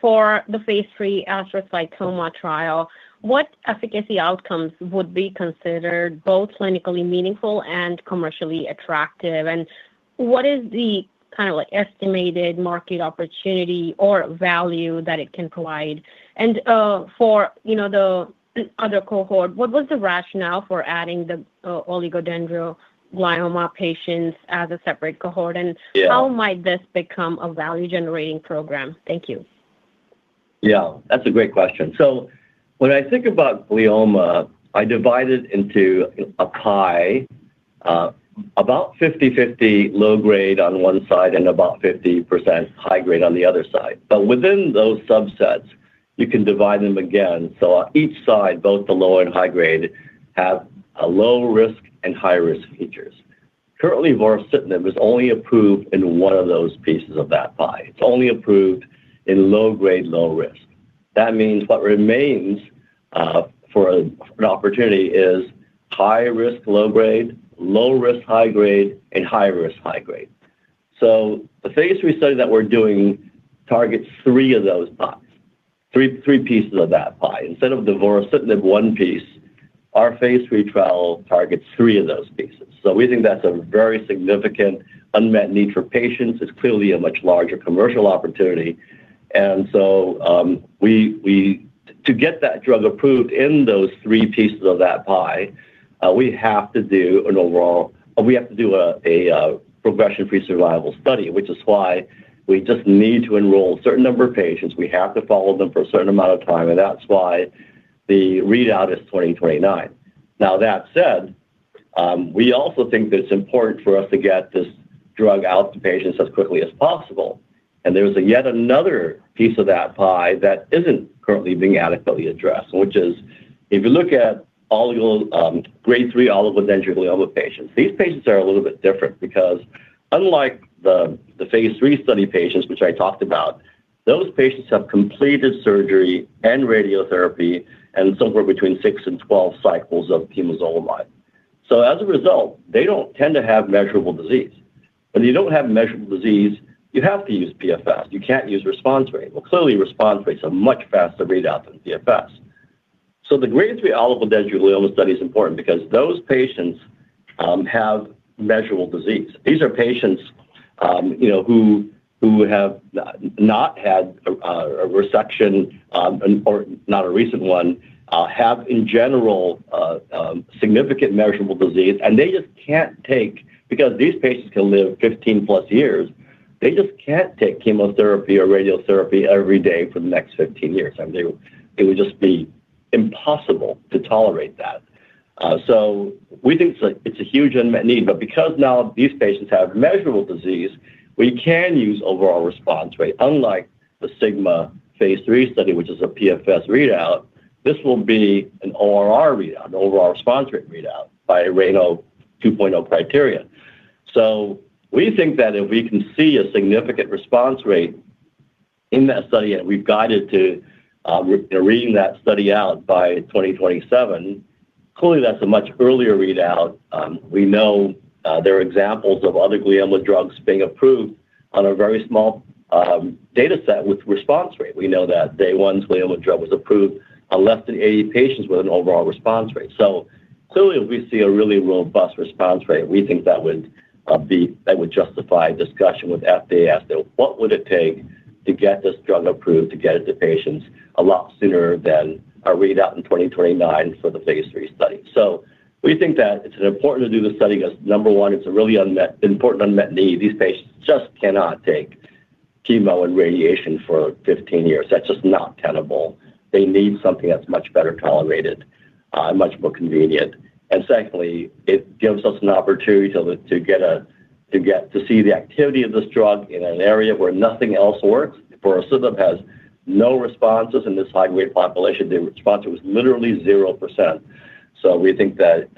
For the phase III astrocytoma trial, what efficacy outcomes would be considered both clinically meaningful and commercially attractive? What is the kind of like estimated market opportunity or value that it can provide? For, you know, the other cohort, what was the rationale for adding the oligodendroglioma patients as a separate cohort? How might this become a value generating program? Thank you. Yeah, that's a great question. When I think about glioma, I divide it into a pie, about 50-50 low grade on one side and about 50% high grade on the other side. Within those subsets, you can divide them again. Each side, both the low and high grade, have a low risk and high risk features. Currently, vorasidenib is only approved in one of those pieces of that pie. It's only approved in low grade, low risk. That means what remains for an opportunity is high risk, low grade, low risk, high grade, and high risk, high grade. The phase III study that we're doing targets three of those pies, three pieces of that pie. Instead of the vorasidenib one piece, our phase III trial targets three of those pieces. We think that's a very significant unmet need for patients. It's clearly a much larger commercial opportunity. To get that drug approved in those three pieces of that pie, we have to do a progression-free survival study, which is why we just need to enroll a certain number of patients. We have to follow them for a certain amount of time. That's why the readout is 2029. Now, that said, we also think that it's important for us to get this drug out to patients as quickly as possible. There's yet another piece of that pie that isn't currently being adequately addressed, which is if you look at all your grade 3 oligodendroglioma patients, these patients are a little bit different because unlike the phase III study patients, which I talked about, those patients have completed surgery and radiotherapy and somewhere between six and 12 cycles of temozolomide. As a result, they don't tend to have measurable disease. When you don't have measurable disease, you have to use PFS. You can't use response rate. Clearly response rates are much faster readout than PFS. The grade 3 oligodendroglioma study is important because those patients have measurable disease. These are patients who have not had a resection or not a recent one, have in general significant measurable disease, and they just can't take, because these patients can live 15+ years, they just can't take chemotherapy or radiotherapy every day for the next 15 years. I mean, it would just be impossible to tolerate that. We think it's a huge unmet need, but because now these patients have measurable disease, we can use overall response rate. Unlike the SIGMA phase III study, which is a PFS readout, this will be an ORR readout, an overall response rate readout by RENAL 2.0 criteria. We think that if we can see a significant response rate in that study, and we've guided to reading that study out by 2027, clearly that's a much earlier readout. We know there are examples of other glioma drugs being approved on a very small data set with response rate. We know that Day One's glioma drug was approved on less than 80 patients with an overall response rate. Clearly if we see a really robust response rate, we think that would justify discussion with FDA as to what would it take to get this drug approved, to get it to patients a lot sooner than our readout in 2029 for the phase III study. We think that it's important to do the study because number 1, it's a really important unmet need. These patients just cannot take chemo and radiation for 15 years. That's just not tenable. They need something that's much better tolerated and much more convenient. Secondly, it gives us an opportunity to see the activity of this drug in an area where nothing else works. Vorasidenib has no responses in this high weight population. The response was literally 0%. We think that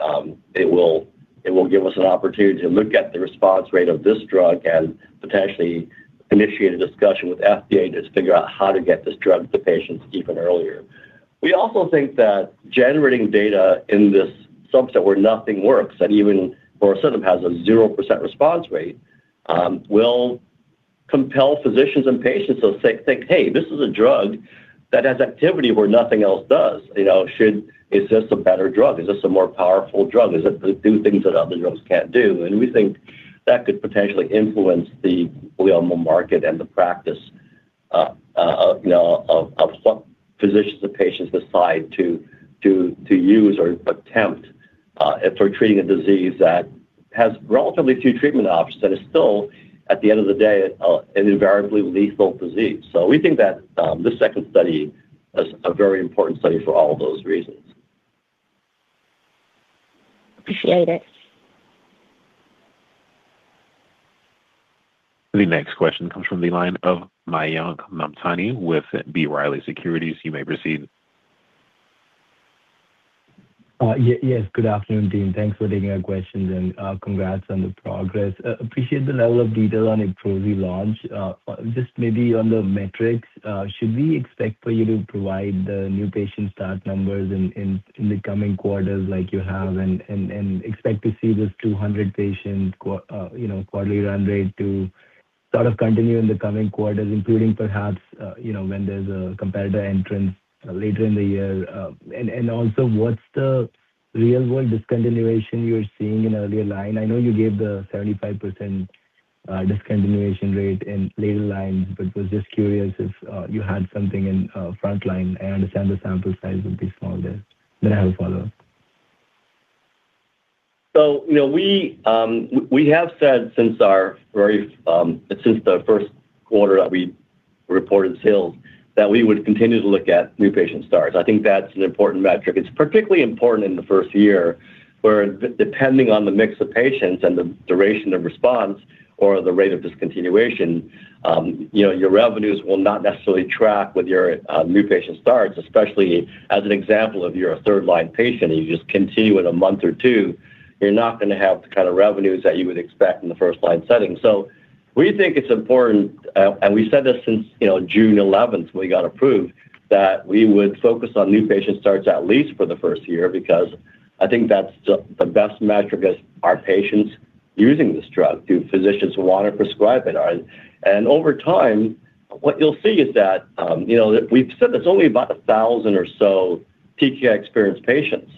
it will give us an opportunity to look at the response rate of this drug and potentially initiate a discussion with FDA to figure out how to get this drug to patients even earlier. We also think that generating data in this subset where nothing works and even for a symptom has a 0% response rate will compel physicians and patients to think, "Hey, this is a drug that has activity where nothing else does. You know, Is this a better drug? Is this a more powerful drug? Does it do things that other drugs can't do?" We think that could potentially influence the glioma market and the practice of, you know, of what physicians or patients decide to use or attempt, if we're treating a disease that has relatively few treatment options that is still, at the end of the day, an invariably lethal disease. We think that this second study is a very important study for all of those reasons. Appreciate it. The next question comes from the line of Mayank Mamtani with B. Riley Securities. You may proceed. Yes. Good afternoon, team. Thanks for taking our questions and congrats on the progress. Appreciate the level of detail on IBTROZI launch. Just maybe on the metrics, should we expect for you to provide the new patient start numbers in the coming quarters like you have and expect to see this 200 patient, you know, quarterly run rate to sort of continue in the coming quarters, including perhaps, you know, when there's a competitor entrance later in the year? Also, what's the real world discontinuation you're seeing in earlier line? I know you gave the 75% discontinuation rate in later lines, but was just curious if you had something in front line. I understand the sample size would be smaller. I have a follow-up. You know, we have said since our very, since the Q1 that we reported sales, that we would continue to look at new patient starts. I think that's an important metric. It's particularly important in the first year, where depending on the mix of patients and the duration of response or the rate of discontinuation, you know, your revenues will not necessarily track with your new patient starts, especially as an example of you're a third line patient and you just continue in a month or two, you're not gonna have the kind of revenues that you would expect in the first line setting. We think it's important, and we said this since, you know, June eleventh, we got approved, that we would focus on new patient starts at least for the first year, because I think that's the best metric is our patients using this drug. Do physicians wanna prescribe it? Over time, what you'll see is that, you know, we've said there's only about 1,000 or so TKI-experienced patients.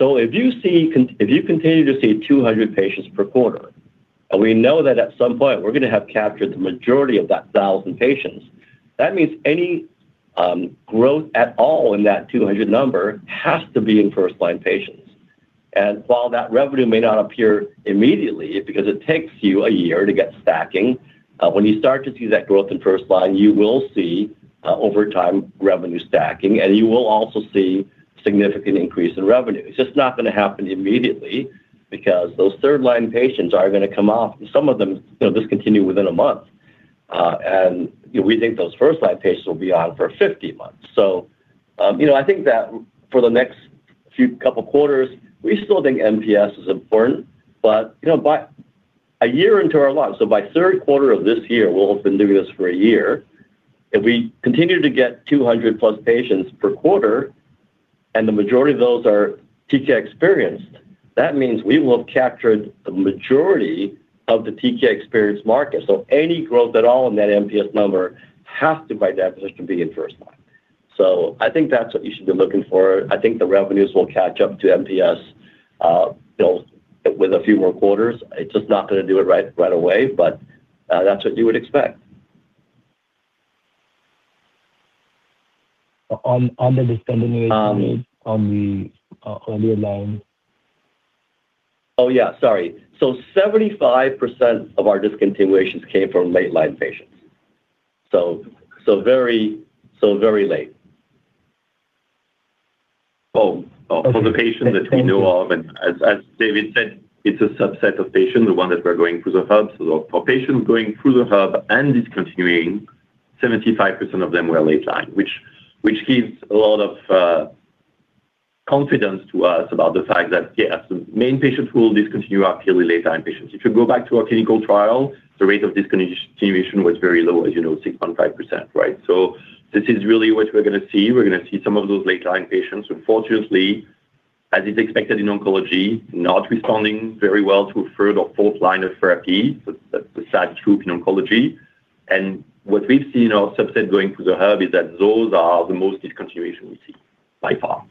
If you continue to see 200 patients per quarter, and we know that at some point we're gonna have captured the majority of that 1,000 patients, that means any growth at all in that 200 number has to be in first line patients. While that revenue may not appear immediately, because it takes you a year to get stacking, when you start to see that growth in first line, you will see, over time, revenue stacking, and you will also see significant increase in revenue. It's just not gonna happen immediately because those third line patients are gonna come off, and some of them, you know, discontinue within a month. You know, we think those first line patients will be on for 50 months. You know, I think that for the next few couple quarters, we still think MPS is important. You know, by a year into our lives, so by Q3 of this year, we'll have been doing this for a year. If we continue to get 200+ patients per quarter, and the majority of those are TKI-experienced, that means we will have captured the majority of the TKI-experienced market. Any growth at all in that MPS number has to, by definition, be in first line. I think that's what you should be looking for. I think the revenues will catch up to MPS, built with a few more quarters. It's just not gonna do it right away, but that's what you would expect. On the discontinuation rate. Um- on the earlier line. Oh, yeah, sorry. 75% of our discontinuations came from late line patients. Very, very late. For the patients that we know of, and as David said, it's a subset of patients, the one that we're going through the hub. For patients going through the hub and discontinuing, 75% of them were late line, which gives a lot of confidence to us about the fact that, yeah, the main patients who will discontinue are purely late line patients. If you go back to our clinical trial, the rate of discontinuation was very low, as you know, 6.5%. This is really what we're gonna see. We're gonna see some of those late line patients, unfortunately, as is expected in oncology, not responding very well to a third or fourth line of therapy. That's a sad truth in oncology. What we've seen in our subset going through the hub is that those are the most discontinuation we see by far.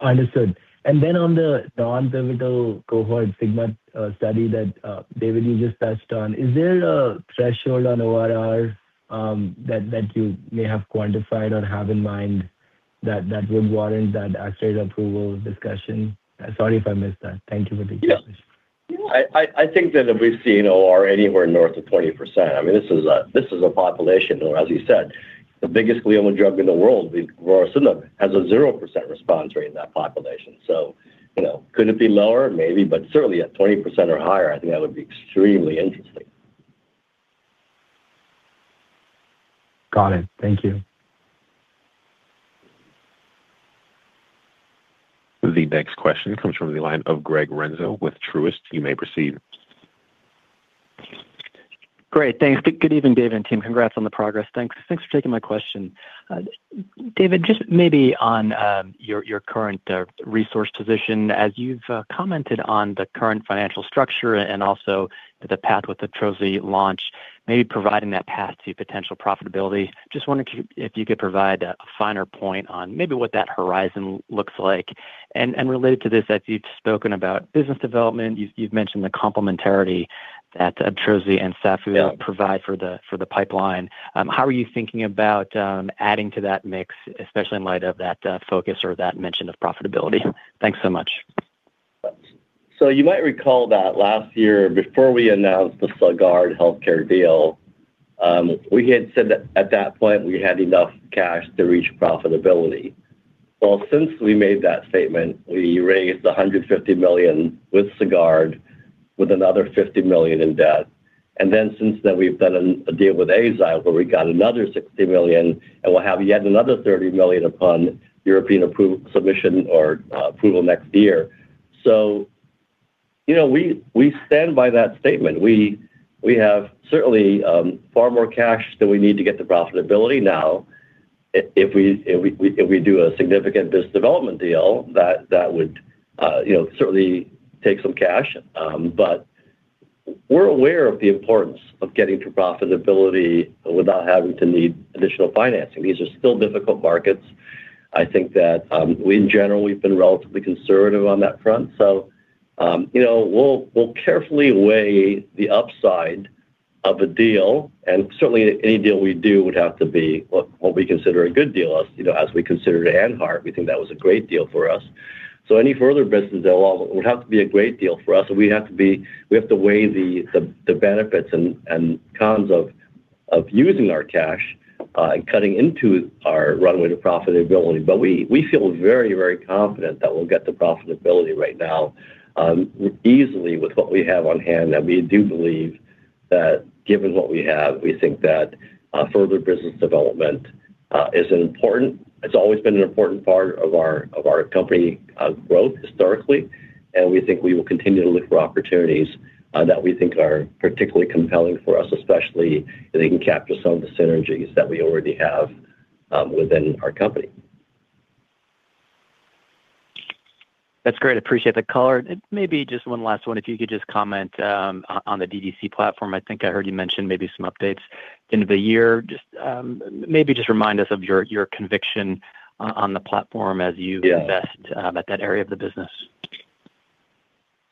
Understood. On the non-pivotal cohort SIGMA study that, David, you just touched on, is there a threshold on ORR that you may have quantified or have in mind that would warrant that accelerated approval discussion? Sorry if I missed that. Thank you for the question. Yeah. Yeah. I think that if we've seen ORR anywhere north of 20%, I mean, this is a population where, as you said, the biggest glioma drug in the world with vorasidenib has a 0% response rate in that population. You know, could it be lower? Maybe. Certainly at 20% or higher, I think that would be extremely interesting. Got it. Thank you. The next question comes from the line of Greg Renza with Truist. You may proceed. Great. Thanks. Good evening, David and team. Congrats on the progress. Thanks for taking my question. David, just maybe on your current resource position as you've commented on the current financial structure and also the path with the IBTROZI launch, maybe providing that path to potential profitability, just wondering if you could provide a finer point on maybe what that horizon looks like. Related to this, as you've spoken about business development, you've mentioned the complementarity that IBTROZI and safusidenib will provide for the pipeline. How are you thinking about adding to that mix, especially in light of that focus or that mention of profitability? Thanks so much. You might recall that last year before we announced the Sagard Healthcare deal, we had said that at that point we had enough cash to reach profitability. Since we made that statement, we raised $150 million with Sagard with another $50 million in debt. Since then we've done a deal with Eisai where we got another $60 million, and we'll have yet another $30 million upon European submission or approval next year. You know, we stand by that statement. We have certainly far more cash than we need to get to profitability now. If we do a significant business development deal that would, you know, certainly take some cash. We're aware of the importance of getting to profitability without having to need additional financing. These are still difficult markets. I think that we've been relatively conservative on that front. You know, we'll carefully weigh the upside of a deal and certainly any deal we do would have to be what we consider a good deal. You know, as we consider it Anheart, we think that was a great deal for us. Any further business deal will have to be a great deal for us. We have to weigh the benefits and cons of using our cash and cutting into our runway to profitability. We feel very confident that we'll get to profitability right now easily with what we have on hand. We do believe that given what we have, we think that further business development is an important part of our company growth historically. We think we will continue to look for opportunities that we think are particularly compelling for us, especially if they can capture some of the synergies that we already have within our company. That's great. Appreciate the color. Maybe just one last one. If you could just comment, on the DDC platform. I think I heard you mention maybe some updates end of the year. Just maybe just remind us of your conviction on the platform. Yeah. invest, at that area of the business.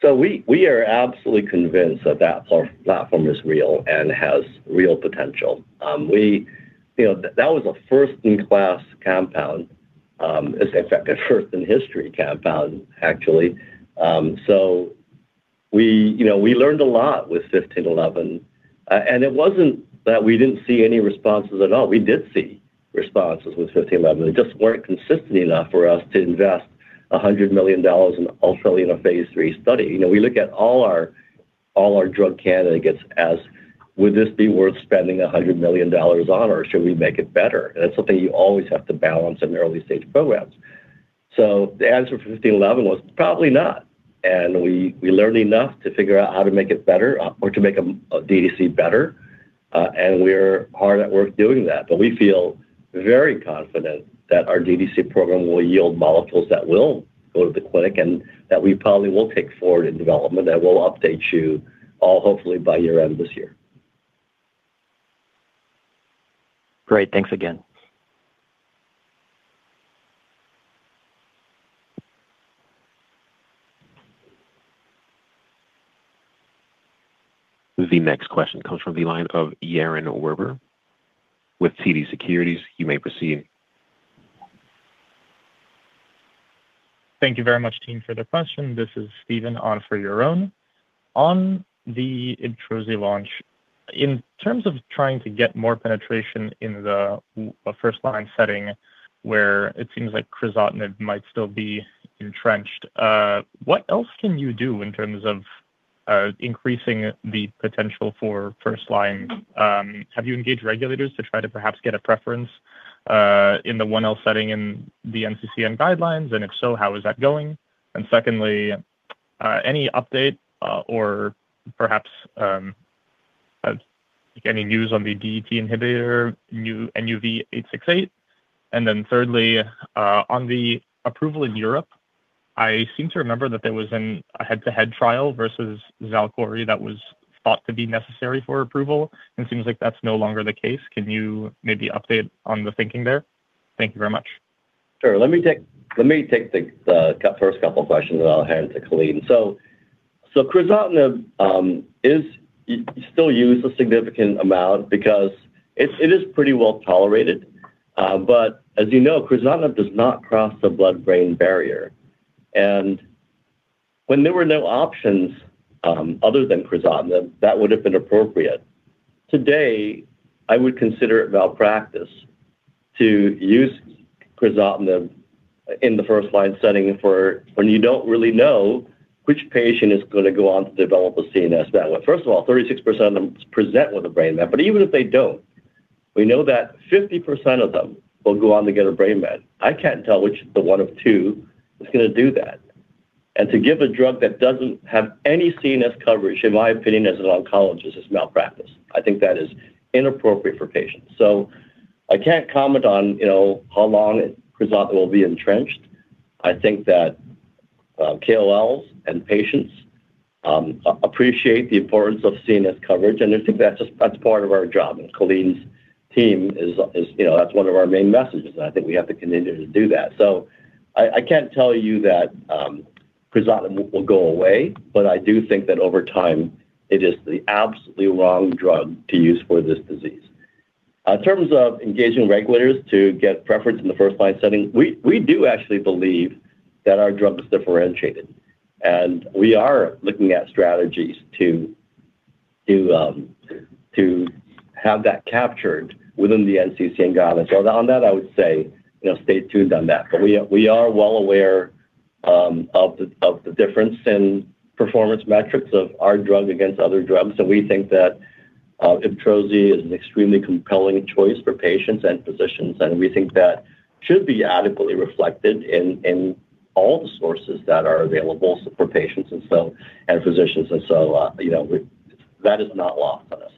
We are absolutely convinced that that platform is real and has real potential. You know, that was a first in class compound, as a fact, a first in history compound actually. You know, we learned a lot with NUV-1511. It wasn't that we didn't see any responses at all. We did see responses with NUV-1511. They just weren't consistent enough for us to invest $100 million in ultimately in a phase III study. You know, we look at all our drug candidates as would this be worth spending $100 million on, or should we make it better? That's something you always have to balance in early stage programs. The answer for NUV-1511 was probably not. We learned enough to figure out how to make it better or to make a DDC better. We're hard at work doing that, but we feel very confident that our DDC program will yield molecules that will go to the clinic and that we probably will take forward in development. We'll update you all hopefully by year end this year. Great. Thanks again. The next question comes from the line of Yaron Werber with TD Cowen. You may proceed. Thank you very much, team, for the question. This is Steven on for Yaron. On the IBTROZI launch, in terms of trying to get more penetration in the first line setting where it seems like crizotinib might still be entrenched, what else can you do in terms of increasing the potential for first line? Have you engaged regulators to try to perhaps get a preference in the 1L setting in the NCCN guidelines? If so, how is that going? Secondly, any update or perhaps any news on the BET inhibitor, NUV-868? Thirdly, on the approval in Europe, I seem to remember that there was a head-to-head trial versus Xalkori that was thought to be necessary for approval, and it seems like that's no longer the case. Can you maybe update on the thinking there? Thank you very much. Sure. Let me take the first couple questions, then I'll hand to Colleen. crizotinib is still used a significant amount because it's pretty well tolerated. As you know, crizotinib does not cross the blood-brain barrier. When there were no options other than crizotinib, that would've been appropriate. Today, I would consider it malpractice to use crizotinib in the first line setting for when you don't really know which patient is gonna go on to develop a CNS value. First of all, 36% of them present with a brain met. Even if they don't, we know that 50% of them will go on to get a brain met. I can't tell which the 1 of 2 is gonna do that. To give a drug that doesn't have any CNS coverage, in my opinion as an oncologist, is malpractice. I think that is inappropriate for patients. I can't comment on, you know, how long crizotinib will be entrenched. I think that KOL and patients appreciate the importance of CNS coverage, and I think that's part of our job. Colleen's team is, you know, that's one of our main messages, and I think we have to continue to do that. I can't tell you that crizotinib will go away, but I do think that over time it is the absolutely wrong drug to use for this disease. In terms of engaging regulators to get preference in the first line setting, we do actually believe that our drug is differentiated. We are looking at strategies to have that captured within the NCCN guidelines. On that, I would say, you know, stay tuned on that. We are well aware of the difference in performance metrics of our drug against other drugs. We think that IBTROZI is an extremely compelling choice for patients and physicians, and we think that should be adequately reflected in all the sources that are available for patients and physicians. You know, that is not lost on us.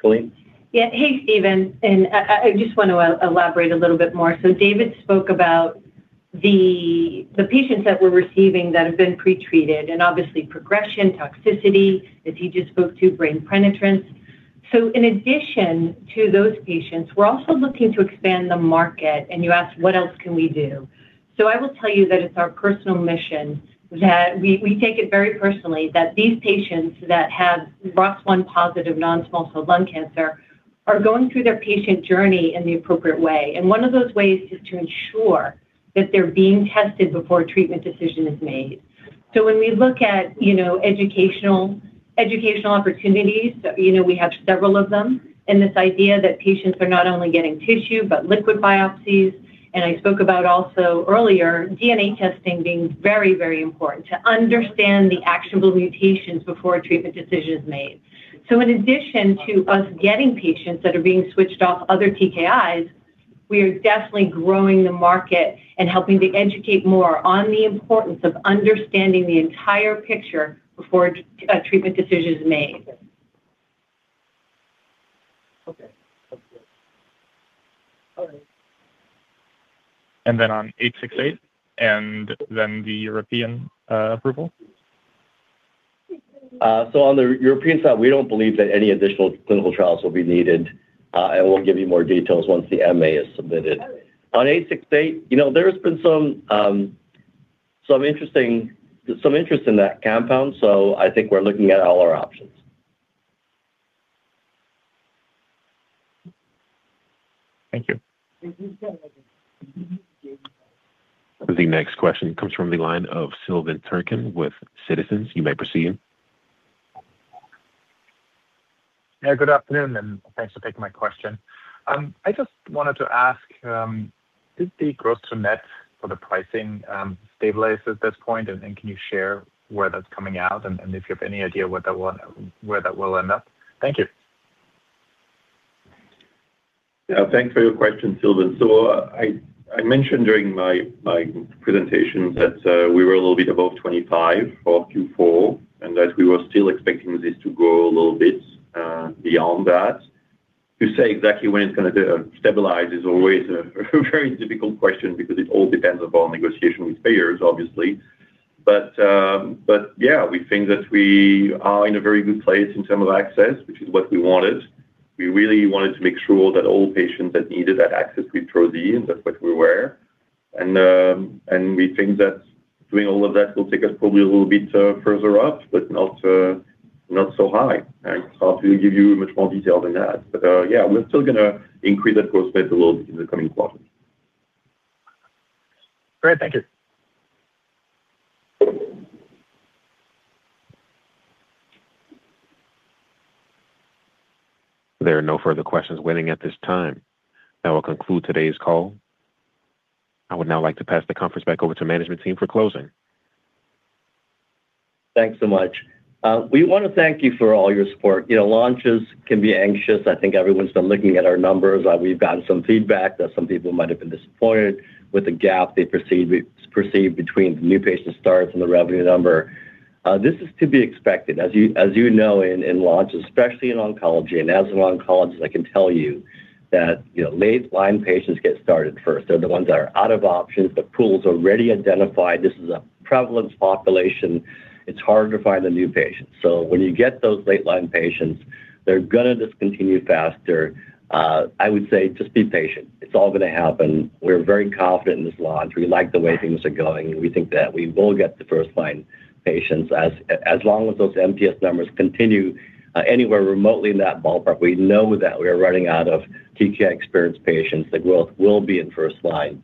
Colleen? Yeah. Hey, Steven. I just want to elaborate a little bit more. David spoke about the patients that we're receiving that have been pretreated and obviously progression, toxicity, as he just spoke to, brain penetrance. In addition to those patients, we're also looking to expand the market, and you asked what else can we do. I will tell you that it's our personal mission that we take it very personally that these patients that have ROS1-positive non-small cell lung cancer are going through their patient journey in the appropriate way. One of those ways is to ensure that they're being tested before a treatment decision is made. When we look at, you know, educational opportunities, you know, we have several of them, and this idea that patients are not only getting tissue, but liquid biopsies. I spoke about also earlier DNA testing being very, very important to understand the actionable mutations before a treatment decision is made. In addition to us getting patients that are being switched off other TKIs, we are definitely growing the market and helping to educate more on the importance of understanding the entire picture before a treatment decision is made. Okay. That's it. All right. On 868 and then the European approval? On the European side, we don't believe that any additional clinical trials will be needed, and we'll give you more details once the MA is submitted. On NUV-868, you know, there has been some interest in that compound, so I think we're looking at all our options. Thank you. The next question comes from the line of Sylvan Tuerkcan with Citizens. You may proceed. Yeah, good afternoon, and thanks for taking my question. I just wanted to ask, did the gross to net for the pricing stabilize at this point? Then can you share where that's coming out and if you have any idea where that will end up? Thank you. Thanks for your question, Sylvan Tuerkcan. I mentioned during my presentation that we were a little bit above $25 for Q4, and that we were still expecting this to grow a little bit beyond that. To say exactly when it's going to stabilize is always a very difficult question because it all depends upon negotiation with payers, obviously. Yeah, we think that we are in a very good place in term of access, which is what we wanted. We really wanted to make sure that all patients that needed that access with IBTROZI, and that's what we were. We think that doing all of that will take us probably a little bit further up, but not so high. I can't hardly give you much more detail than that. Yeah, we're still gonna increase that gross space a little bit in the coming quarters. Great. Thank you. There are no further questions waiting at this time. That will conclude today's call. I would now like to pass the conference back over to management team for closing. Thanks so much. We wanna thank you for all your support. You know, launches can be anxious. I think everyone's been looking at our numbers. We've gotten some feedback that some people might have been disappointed with the gap they perceived between the new patient starts and the revenue number. This is to be expected. As you know, in launches, especially in oncology, and as an oncologist, I can tell you that, you know, late-line patients get started first. They're the ones that are out of options, the pool's already identified. This is a prevalent population. It's hard to find the new patients. When you get those late-line patients, they're gonna discontinue faster. I would say just be patient. It's all gonna happen. We're very confident in this launch. We like the way things are going. We think that we will get the first-line patients. As long as those MTS numbers continue, anywhere remotely in that ballpark, we know that we are running out of TKI-experienced patients. The growth will be in first line.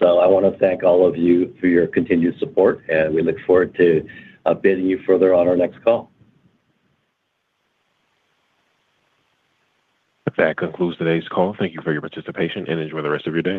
I wanna thank all of you for your continued support, and we look forward to updating you further on our next call. That concludes today's call. Thank you for your participation, and enjoy the rest of your day.